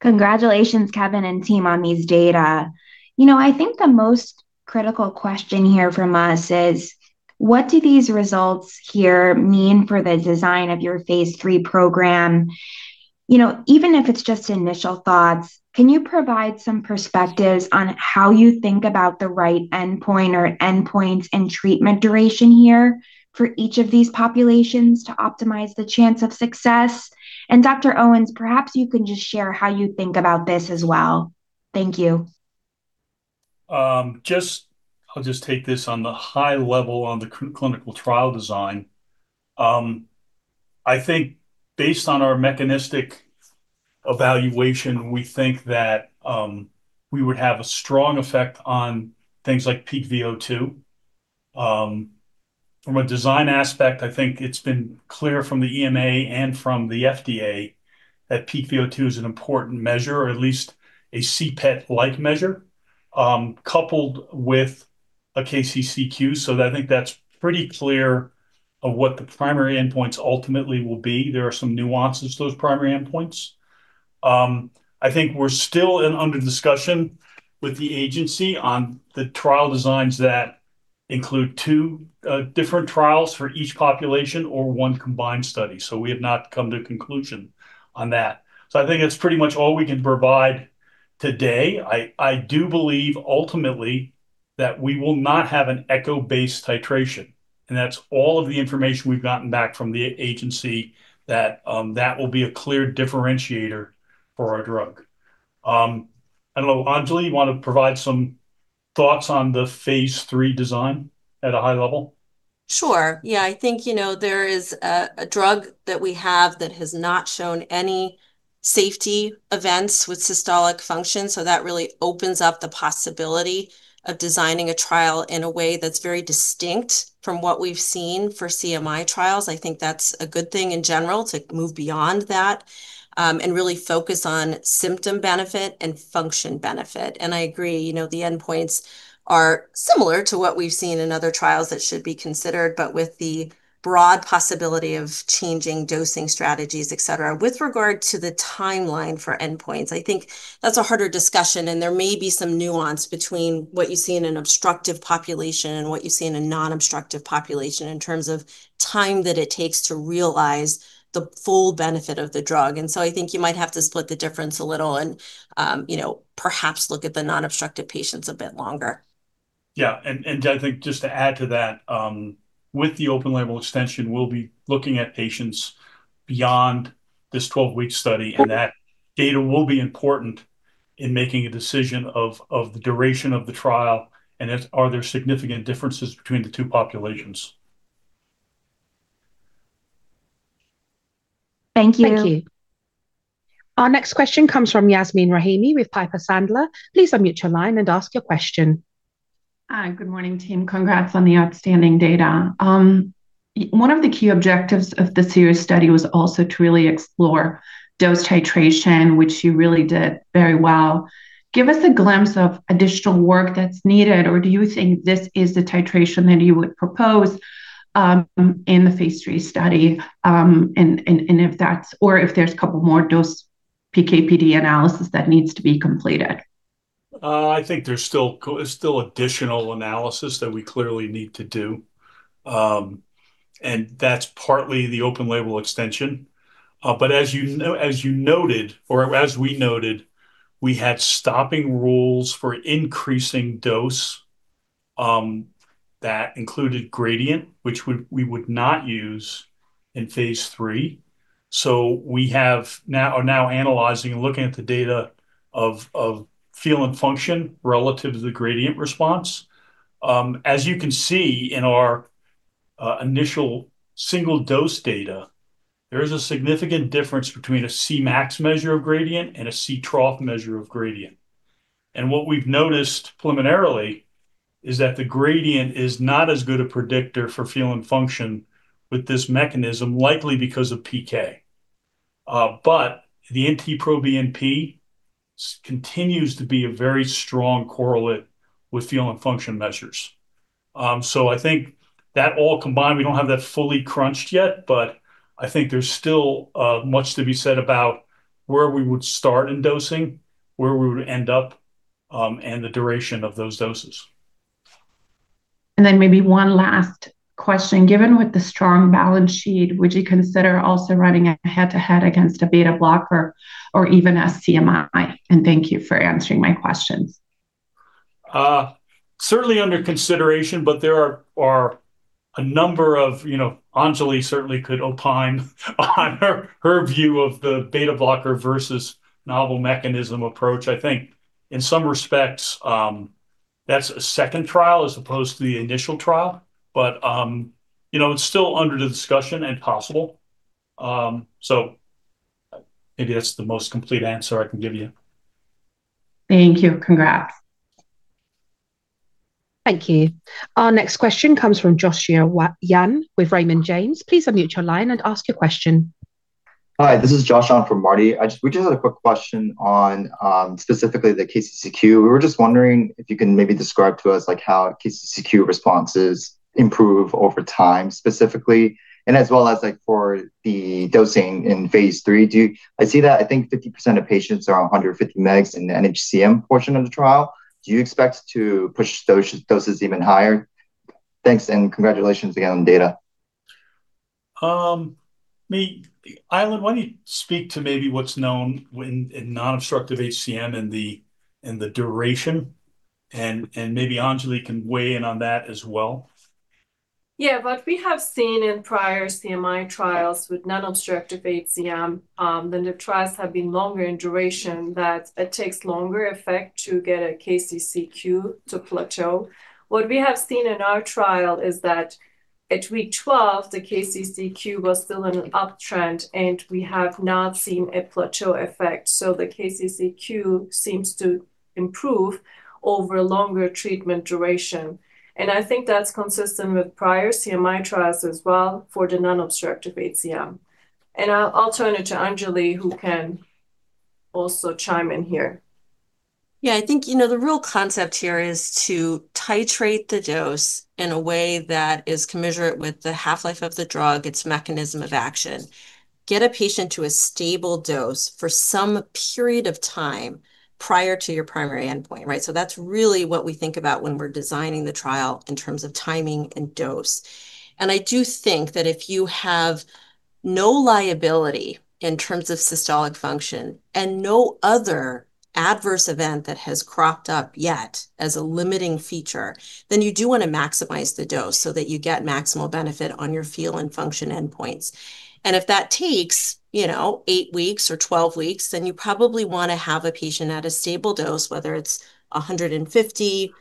Congratulations, Kevin and team, on these data. I think the most critical question here from us is, what do these results here mean for the design of your phase III program? Even if it's just initial thoughts, can you provide some perspectives on how you think about the right endpoint or endpoints and treatment duration here for each of these populations to optimize the chance of success? Dr. Owens, perhaps you can just share how you think about this as well. Thank you. I'll just take this on the high level on the clinical trial design. I think based on our mechanistic evaluation, we think that we would have a strong effect on things like peak VO2. From a design aspect, I think it's been clear from the EMA and from the FDA that peak VO2 is an important measure, or at least a CPET-like measure, coupled with a KCCQ. I think that's pretty clear of what the primary endpoints ultimately will be. There are some nuances to those primary endpoints. I think we're still under discussion with the agency on the trial designs that include two different trials for each population or one combined study. We have not come to a conclusion on that. I think that's pretty much all we can provide today. I do believe ultimately that we will not have an echo-based titration. That's all of the information we've gotten back from the agency that will be a clear differentiator for our drug. I don't know, Anjali, you want to provide some thoughts on the phase III design at a high level? Sure. Yeah. I think, there is a drug that we have that has not shown any safety events with systolic function. That really opens up the possibility of designing a trial in a way that's very distinct from what we've seen for CMI trials. I think that's a good thing in general to move beyond that, and really focus on symptom benefit and function benefit. I agree, the endpoints are similar to what we've seen in other trials that should be considered, but with the broad possibility of changing dosing strategies, et cetera. With regard to the timeline for endpoints, I think that's a harder discussion, and there may be some nuance between what you see in an obstructive population and what you see in a non-obstructive population in terms of time that it takes to realize the full benefit of the drug. I think you might have to split the difference a little and perhaps look at the non-obstructive patients a bit longer. Yeah. I think just to add to that, with the open-label extension, we'll be looking at patients beyond this 12-week study, and that data will be important in making a decision of the duration of the trial and if are there significant differences between the two populations. Thank you. Thank you. Our next question comes from Yasmeen Rahimi with Piper Sandler. Please unmute your line and ask your question. Hi. Good morning, team. Congrats on the outstanding data. One of the key objectives of the CIRRUS-HCM study was also to really explore dose titration, which you really did very well. Give us a glimpse of additional work that's needed, or do you think this is the titration that you would propose in the phase III study, or if there's a couple more dose PK/PD analysis that needs to be completed? I think there's still additional analysis that we clearly need to do. That's partly the open-label extension. As we noted, we had stopping rules for increasing dose, that included gradient, which we would not use in phase III. We are now analyzing and looking at the data of feel and function relative to the gradient response. As you can see in our initial single-dose data, there is a significant difference between a Cmax measure of gradient and a C trough measure of gradient. What we've noticed preliminarily is that the gradient is not as good a predictor for feel and function with this mechanism, likely because of PK. The NT-proBNP continues to be a very strong correlate with feel and function measures. I think that all combined, we don't have that fully crunched yet, but I think there's still much to be said about where we would start in dosing, where we would end up. The duration of those doses. Maybe one last question. Given with the strong balance sheet, would you consider also running a head-to-head against a beta blocker or even a CMI? Thank you for answering my questions. Certainly under consideration, Anjali certainly could opine on her view of the beta blocker versus novel mechanism approach. I think in some respects, that's a second trial as opposed to the initial trial. It's still under the discussion and possible. Maybe that's the most complete answer I can give you. Thank you. Congrats. Thank you. Our next question comes from Joshua Yan with Raymond James. Please unmute your line and ask your question. Hi. This is Josh on from Marty. We just had a quick question on, specifically the KCCQ. We were just wondering if you can maybe describe to us how KCCQ responses improve over time specifically, as well as like for the dosing in phase III. I see that I think 50% of patients are on 150 mg in the NHCM portion of the trial. Do you expect to push those doses even higher? Thanks. Congratulations again on the data. Aileen, why don't you speak to maybe what's known in non-obstructive HCM and the duration, maybe Anjali can weigh in on that as well. Yeah. What we have seen in prior CMI trials with non-obstructive HCM, the trials have been longer in duration that it takes longer effect to get a KCCQ to plateau. What we have seen in our trial is that at week 12, the KCCQ was still on an uptrend, we have not seen a plateau effect. The KCCQ seems to improve over longer treatment duration. I think that's consistent with prior CMI trials as well for the non-obstructive HCM. I'll turn it to Anjali, who can also chime in here. Yeah, I think the real concept here is to titrate the dose in a way that is commensurate with the half-life of the drug, its mechanism of action. Get a patient to a stable dose for some period of time prior to your primary endpoint, right? That's really what we think about when we're designing the trial in terms of timing and dose. I do think that if you have no liability in terms of systolic function and no other adverse event that has cropped up yet as a limiting feature, then you do want to maximize the dose so that you get maximal benefit on your feel and function endpoints. If that takes eight weeks or 12 weeks, then you probably want to have a patient at a stable dose, whether it's 150,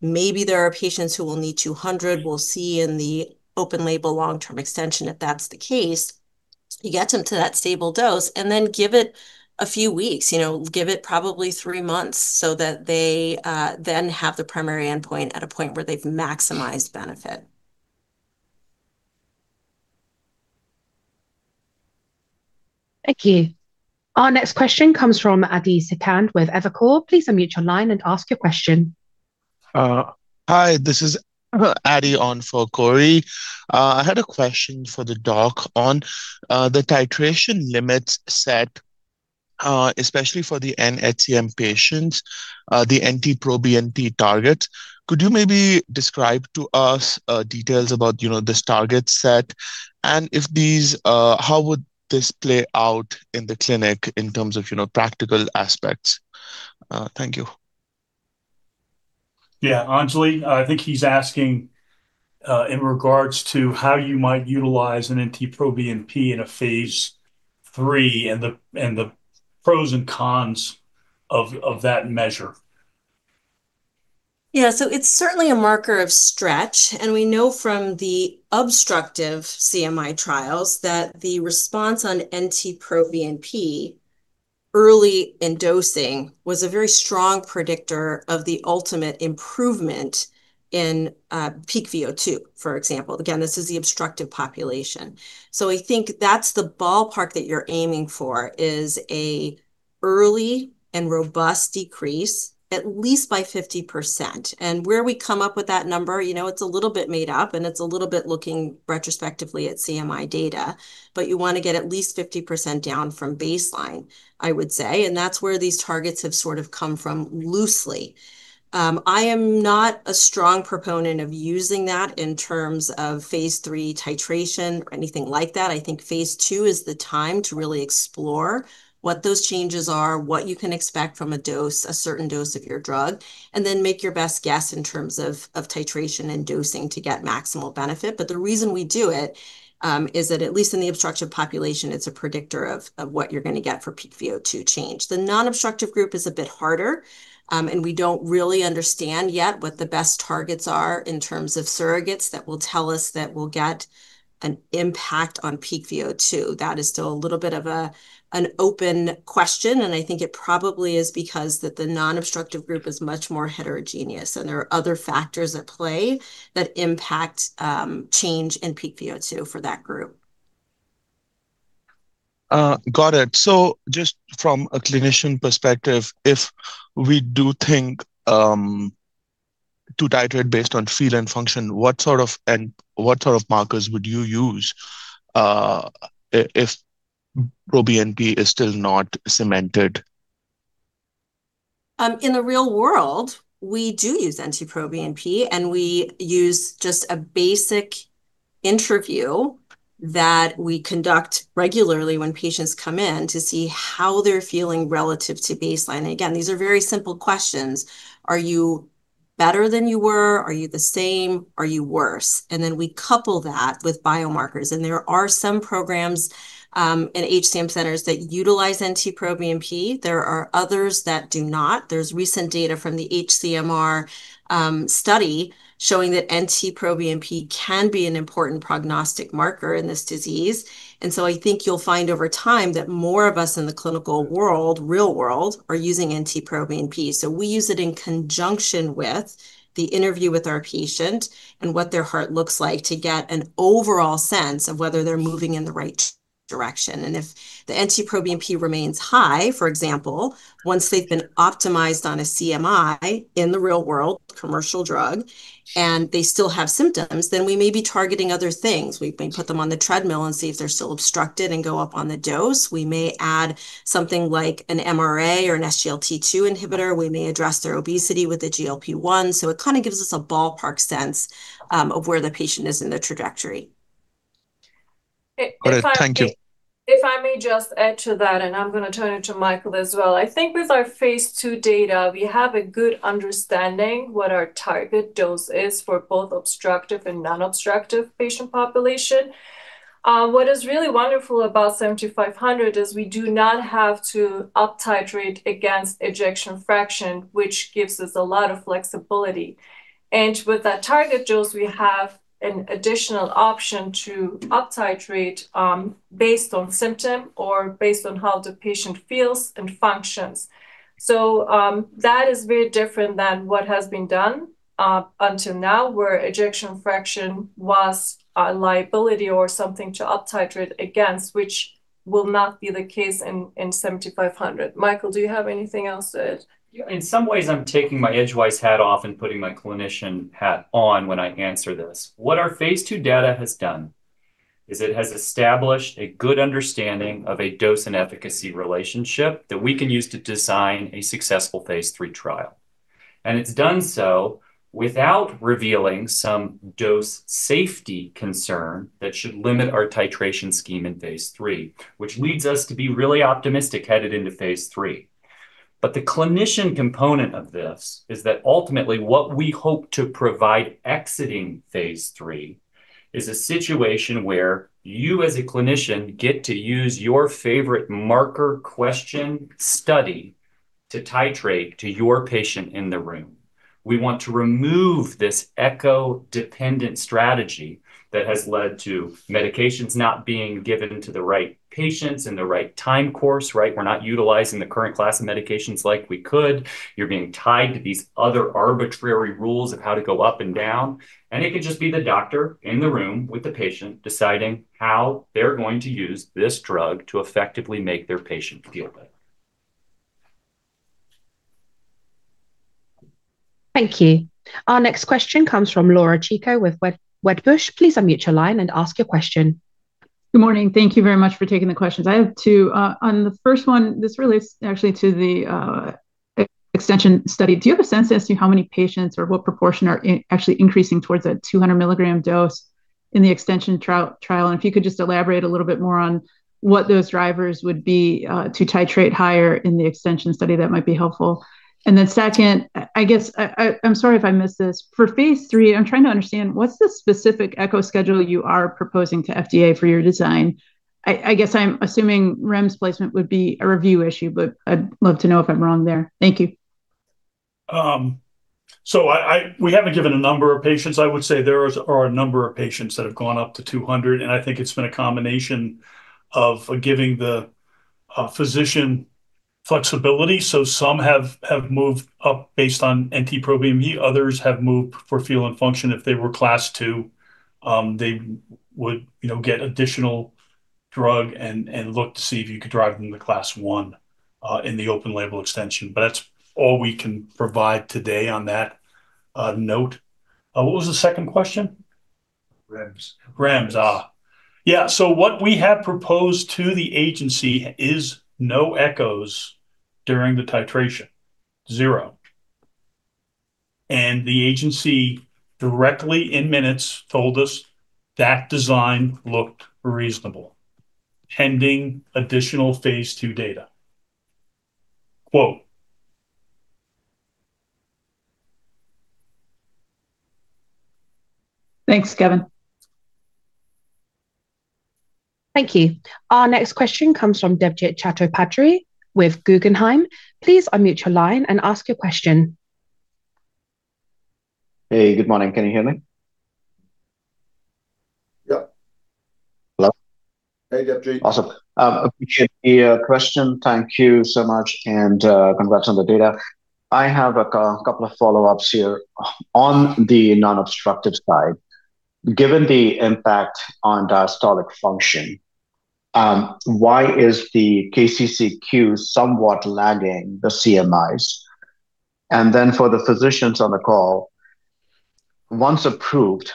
maybe there are patients who will need 200. We'll see in the open label long-term extension if that's the case. You get them to that stable dose, then give it a few weeks. Give it probably three months so that they then have the primary endpoint at a point where they've maximized benefit. Thank you. Our next question comes from Adhirath Sikand with Evercore. Please unmute your line and ask your question. Hi, this is Adi on for Cory. I had a question for the doc on the titration limits set, especially for the NHCM patients, the NT-proBNP targets. Could you maybe describe to us details about this target set? How would this play out in the clinic in terms of practical aspects? Thank you. Yeah. Anjali, I think he's asking, in regards to how you might utilize an NT-proBNP in a phase III and the pros and cons of that measure. Yeah. It's certainly a marker of stretch, and we know from the obstructive CMI trials that the response on NT-proBNP early in dosing was a very strong predictor of the ultimate improvement in peak VO2, for example. Again, this is the obstructive population. I think that's the ballpark that you're aiming for is a early and robust decrease, at least by 50%. Where we come up with that number, it's a little bit made up, and it's a little bit looking retrospectively at CMI data. You want to get at least 50% down from baseline, I would say, and that's where these targets have sort of come from loosely. I am not a strong proponent of using that in terms of phase III titration or anything like that. I think phase II is the time to really explore what those changes are, what you can expect from a dose, a certain dose of your drug, and then make your best guess in terms of titration and dosing to get maximal benefit. The reason we do it, is that at least in the obstructive population, it's a predictor of what you're going to get for peak VO2 change. The non-obstructive group is a bit harder, and we don't really understand yet what the best targets are in terms of surrogates that will tell us that we'll get an impact on peak VO2. That is still a little bit of an open question, I think it probably is because that the non-obstructive group is much more heterogeneous and there are other factors at play that impact change in peak VO2 for that group. Got it. Just from a clinician perspective, if we do think to titrate based on feel and function, what sort of markers would you use if proBNP is still not cemented? In the real world, we do use NT-proBNP, and we use just a basic interview that we conduct regularly when patients come in to see how they're feeling relative to baseline. Again, these are very simple questions. Are you better than you were? Are you the same? Are you worse? Then we couple that with biomarkers, and there are some programs in HCM centers that utilize NT-proBNP. There are others that do not. There is recent data from the HCMR study showing that NT-proBNP can be an important prognostic marker in this disease. I think you will find over time that more of us in the clinical world, real world, are using NT-proBNP. We use it in conjunction with the interview with our patient and what their heart looks like to get an overall sense of whether they are moving in the right direction. If the NT-proBNP remains high, for example, once they have been optimized on a CMI in the real world, commercial drug, and they still have symptoms, then we may be targeting other things. We may put them on the treadmill and see if they are still obstructed and go up on the dose. We may add something like an MRA or an SGLT2 inhibitor. We may address their obesity with a GLP-1. So it kind of gives us a ballpark sense of where the patient is in their trajectory. Got it. Thank you. If I may just add to that, and I am going to turn it to Michael as well. I think with our phase II data, we have a good understanding what our target dose is for both obstructive and non-obstructive patient population. What is really wonderful about EDG-7500 is we do not have to uptitrate against ejection fraction, which gives us a lot of flexibility. With that target dose, we have an additional option to uptitrate based on symptom or based on how the patient feels and functions. So, that is very different than what has been done up until now, where ejection fraction was a liability or something to uptitrate against, which will not be the case in EDG-7500. Michael, do you have anything else to add? In some ways, I'm taking my Edgewise hat off and putting my clinician hat on when I answer this. What our phase II data has done is it has established a good understanding of a dose and efficacy relationship that we can use to design a successful phase III trial. It's done so without revealing some dose safety concern that should limit our titration scheme in phase III, which leads us to be really optimistic headed into phase III. The clinician component of this is that ultimately what we hope to provide exiting phase III is a situation where you as a clinician get to use your favorite marker question study to titrate to your patient in the room. We want to remove this echo-dependent strategy that has led to medications not being given to the right patients in the right time course. We're not utilizing the current class of medications like we could. You're being tied to these other arbitrary rules of how to go up and down, it could just be the doctor in the room with the patient deciding how they're going to use this drug to effectively make their patient feel better. Thank you. Our next question comes from Laura Chico with Wedbush. Please unmute your line and ask your question. Good morning. Thank you very much for taking the questions. I have two. On the first one, this relates actually to the extension study. Do you have a sense as to how many patients or what proportion are actually increasing towards a 200 mg dose in the extension trial? If you could just elaborate a little bit more on what those drivers would be to titrate higher in the extension study, that might be helpful. Then second, I guess, I'm sorry if I missed this. For phase III, I'm trying to understand what's the specific echo schedule you are proposing to FDA for your design? I guess I'm assuming REMS placement would be a review issue, but I'd love to know if I'm wrong there. Thank you. We haven't given a number of patients. I would say there are a number of patients that have gone up to 200, and I think it's been a combination of giving the physician flexibility. Some have moved up based on NT-proBNP. Others have moved for feel and function. If they were class 2, they would get additional drug and look to see if you could drive them to class 1, in the open label extension. That's all we can provide today on that note. What was the second question? REMS. REMS. What we have proposed to the agency is no echoes during the titration. Zero. The agency directly in minutes told us that design looked reasonable pending additional phase II data, quote. Thanks, Kevin. Thank you. Our next question comes from Debjit Chattopadhyay with Guggenheim. Please unmute your line and ask your question. Hey, good morning. Can you hear me? Yep. Hello? Hey, Debjit. Awesome. Appreciate the question. Thank you so much. Congrats on the data. I have a couple of follow-ups here. On the non-obstructive side, given the impact on diastolic function Why is the KCCQ somewhat lagging the CMIs? For the physicians on the call, once approved,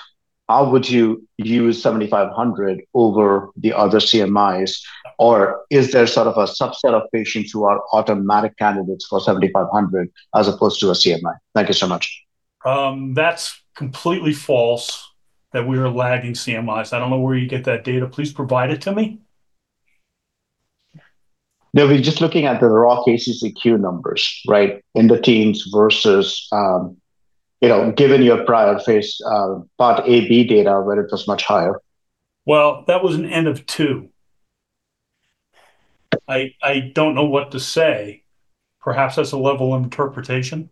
how would you use 7500 over the other CMIs? Is there sort of a subset of patients who are automatic candidates for 7500 as opposed to a CMI? Thank you so much. That's completely false that we are lagging CMIs. I don't know where you get that data. Please provide it to me. No, we're just looking at the raw KCCQ numbers, right? In the teens versus, given your prior phase, part AB data where it was much higher. Well, that was an N of two. I don't know what to say. Perhaps that's a level of interpretation.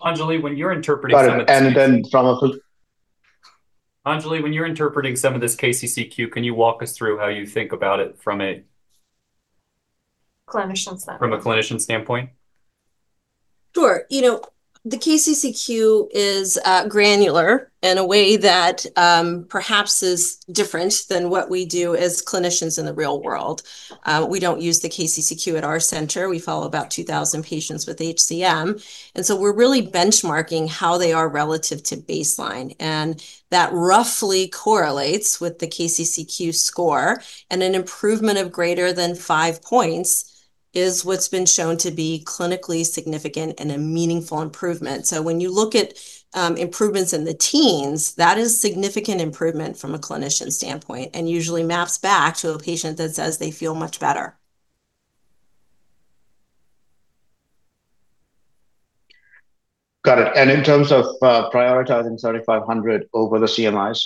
Anjali, when you're interpreting some of this. Got it. Then from a. Anjali, when you're interpreting some of this KCCQ, can you walk us through how you think about it from a. Clinician standpoint. From a clinician standpoint? Sure. The KCCQ is granular in a way that perhaps is different than what we do as clinicians in the real world. We don't use the KCCQ at our center. We follow about 2,000 patients with HCM. We're really benchmarking how they are relative to baseline. That roughly correlates with the KCCQ score. An improvement of greater than five points is what's been shown to be clinically significant and a meaningful improvement. When you look at improvements in the teens, that is significant improvement from a clinician standpoint, and usually maps back to a patient that says they feel much better. Got it. In terms of prioritizing 7500 over the CMIs?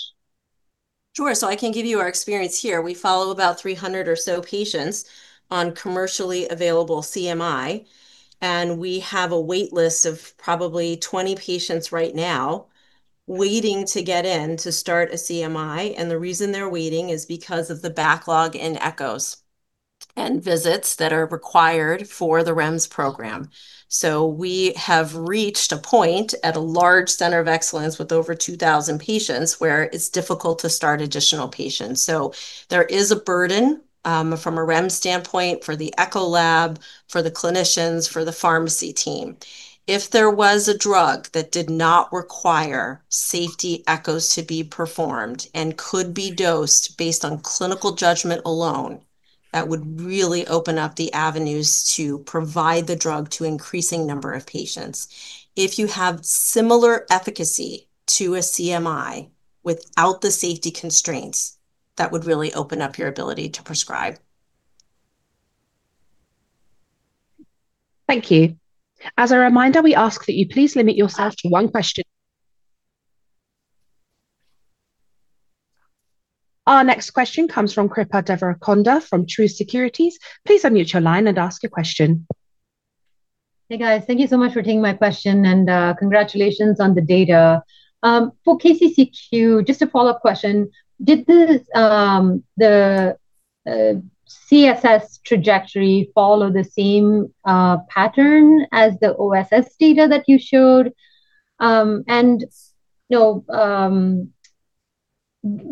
Sure. I can give you our experience here. We follow about 300 or so patients on commercially available CMI, and we have a wait list of probably 20 patients right now waiting to get in to start a CMI. The reason they're waiting is because of the backlog in echoes and visits that are required for the REMS program. We have reached a point at a large center of excellence with over 2,000 patients where it's difficult to start additional patients. There is a burden from a REM standpoint for the echo lab, for the clinicians, for the pharmacy team. If there was a drug that did not require safety echoes to be performed and could be dosed based on clinical judgment alone, that would really open up the avenues to provide the drug to increasing number of patients. If you have similar efficacy to a CMI without the safety constraints, that would really open up your ability to prescribe. Thank you. As a reminder, we ask that you please limit yourself to one question. Our next question comes from Srikripa Devarakonda from Truist Securities. Please unmute your line and ask your question. Hey, guys. Thank you so much for taking my question, and congratulations on the data. For KCCQ, just a follow-up question, did the CSS trajectory follow the same pattern as the OSS data that you showed?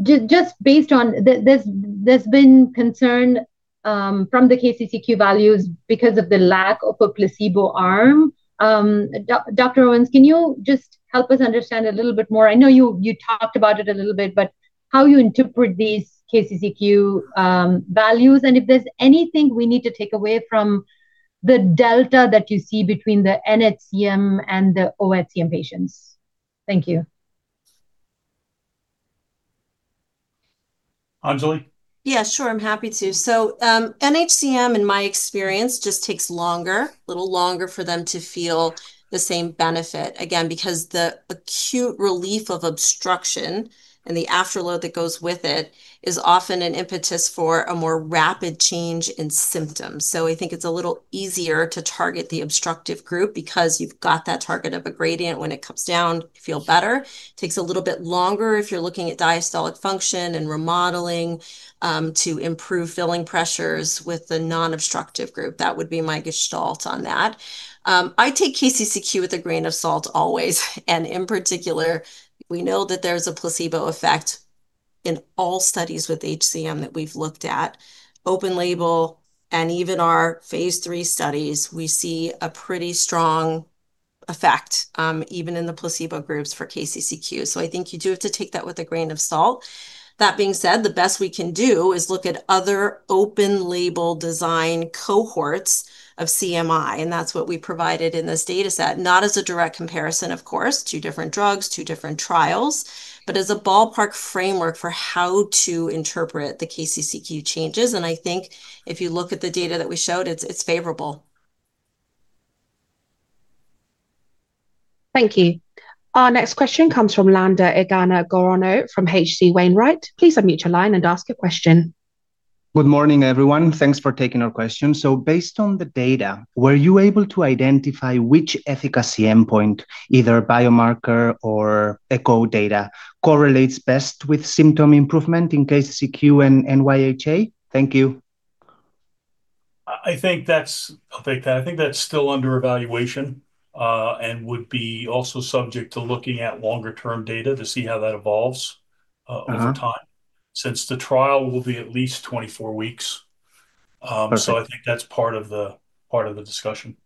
Just based on there's been concern from the KCCQ values because of the lack of a placebo arm. Dr. Owens, can you just help us understand a little bit more? I know you talked about it a little bit, but how you interpret these KCCQ values, if there's anything we need to take away from the delta that you see between the NHCM and the OHCM patients. Thank you. Anjali? Sure. I'm happy to. NHCM, in my experience, just takes longer, a little longer for them to feel the same benefit. Again, because the acute relief of obstruction and the afterload that goes with it is often an impetus for a more rapid change in symptoms. I think it's a little easier to target the obstructive group because you've got that target of a gradient. When it comes down, you feel better. Takes a little bit longer if you're looking at diastolic function and remodeling to improve filling pressures with the non-obstructive group. That would be my gestalt on that. I take KCCQ with a grain of salt always, in particular, we know that there's a placebo effect in all studies with HCM that we've looked at. Open label and even our phase III studies, we see a pretty strong effect, even in the placebo groups for KCCQ. I think you do have to take that with a grain of salt. That being said, the best we can do is look at other open label design cohorts of CMI, that's what we provided in this data set. Not as a direct comparison, of course, two different drugs, two different trials, but as a ballpark framework for how to interpret the KCCQ changes. I think if you look at the data that we showed, it's favorable. Thank you. Our next question comes from Lander Egaña Gorroño from H.C. Wainwright. Please unmute your line and ask a question. Good morning, everyone. Thanks for taking our question. Based on the data, were you able to identify which efficacy endpoint, either biomarker or echo data, correlates best with symptom improvement in KCCQ and NYHA? Thank you. I think that's still under evaluation, would be also subject to looking at longer term data to see how that evolves. Over time, since the trial will be at least 24 weeks. Okay. I think that's part of the discussion.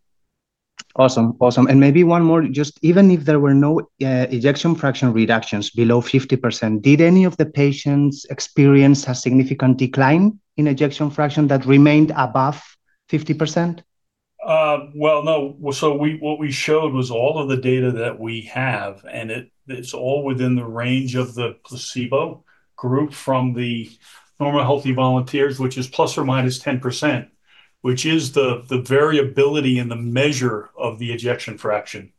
Awesome. Maybe one more. Just even if there were no ejection fraction reductions below 50%, did any of the patients experience a significant decline in ejection fraction that remained above 50%? Well, no. What we showed was all of the data that we have, and it's all within the range of the placebo group from the normal healthy volunteers, which is ±10%, which is the variability in the measure of the ejection fraction.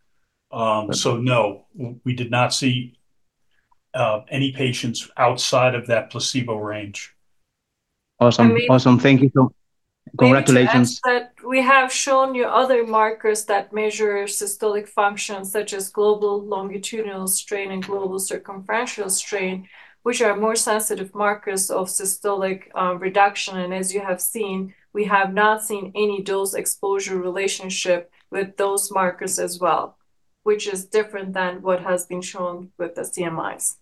No, we did not see any patients outside of that placebo range. Awesome. Thank you. Congratulations. May I just add that we have shown you other markers that measure systolic functions such as global longitudinal strain and global circumferential strain, which are more sensitive markers of systolic reduction. As you have seen, we have not seen any dose exposure relationship with those markers as well, which is different than what has been shown with the CMIs.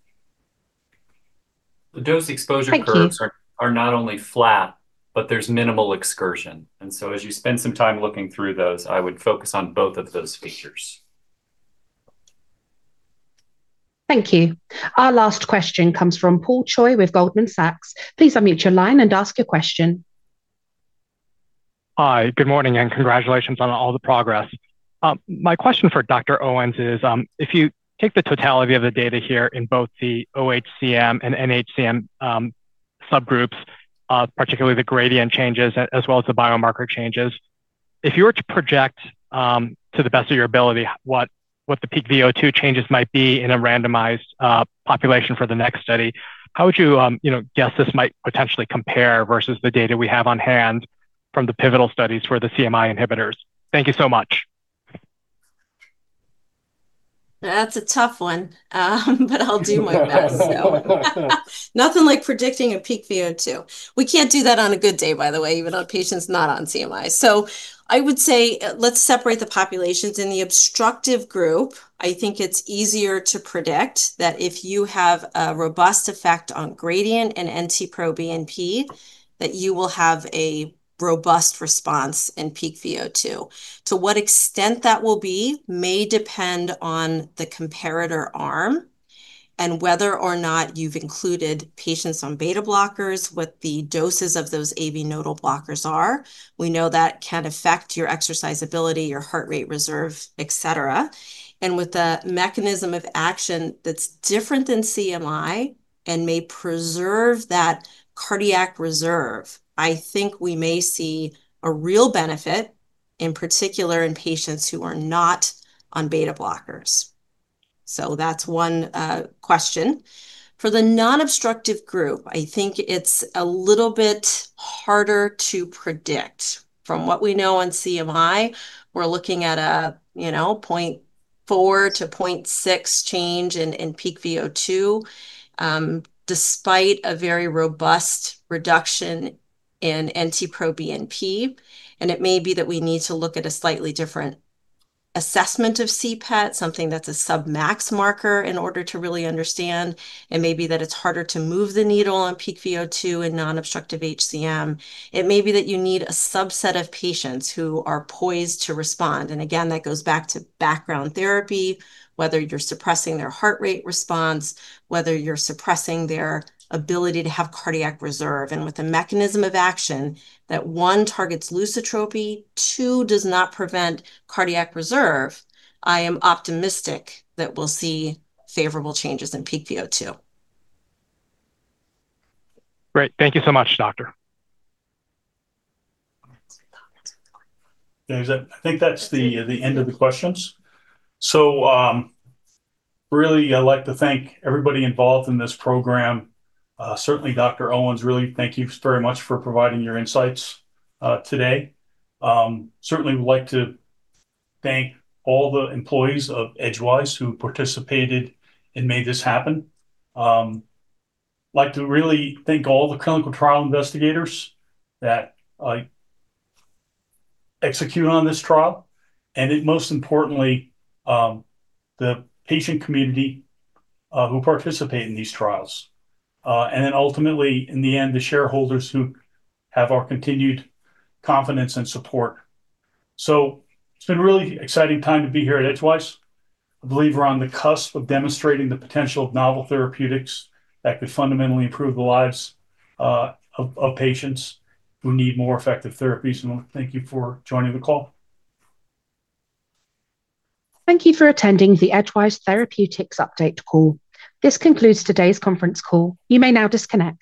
Thank you. The dose exposure curves are not only flat, but there's minimal excursion. As you spend some time looking through those, I would focus on both of those features. Thank you. Our last question comes from Paul Choi with Goldman Sachs. Please unmute your line and ask your question. Hi. Good morning, and congratulations on all the progress. My question for Dr. Owens is, if you take the totality of the data here in both the OHCM and NHCM subgroups, particularly the gradient changes as well as the biomarker changes, if you were to project, to the best of your ability, what the peak VO2 changes might be in a randomized population for the next study, how would you guess this might potentially compare versus the data we have on hand from the pivotal studies for the CMI inhibitors? Thank you so much. That's a tough one, but I'll do my best. Nothing like predicting a peak VO2. We can't do that on a good day, by the way, even on patients not on CMIs. I would say let's separate the populations. In the obstructive group, I think it's easier to predict that if you have a robust effect on gradient and NT-proBNP, that you will have a robust response in peak VO2. To what extent that will be may depend on the comparator arm and whether or not you've included patients on beta blockers, what the doses of those AV nodal blockers are. We know that can affect your exercise ability, your heart rate reserve, et cetera. With a mechanism of action that's different than CMI and may preserve that cardiac reserve, I think we may see a real benefit, in particular in patients who are not on beta blockers. That's one question. For the non-obstructive group, I think it's a little bit harder to predict. From what we know on CMI, we're looking at a 0.4-0.6 change in peak VO2, despite a very robust reduction in NT-proBNP, and it may be that we need to look at a slightly different assessment of CPET, something that's a submax marker in order to really understand. It may be that it's harder to move the needle on peak VO2 in non-obstructive HCM. It may be that you need a subset of patients who are poised to respond. Again, that goes back to background therapy, whether you're suppressing their heart rate response, whether you're suppressing their ability to have cardiac reserve. With a mechanism of action that, one, targets lusitropy, two, does not prevent cardiac reserve, I am optimistic that we'll see favorable changes in peak VO2. Great. Thank you so much, doctor. I think that's the end of the questions. Really, I'd like to thank everybody involved in this program. Certainly Dr. Owens, really thank you very much for providing your insights today. Certainly would like to thank all the employees of Edgewise who participated and made this happen. I'd like to really thank all the clinical trial investigators that executed on this trial, and most importantly, the patient community who participate in these trials. Ultimately, in the end, the shareholders who have our continued confidence and support. It's been a really exciting time to be here at Edgewise. I believe we're on the cusp of demonstrating the potential of novel therapeutics that could fundamentally improve the lives of patients who need more effective therapies. Thank you for joining the call. Thank you for attending the Edgewise Therapeutics update call. This concludes today's conference call. You may now disconnect.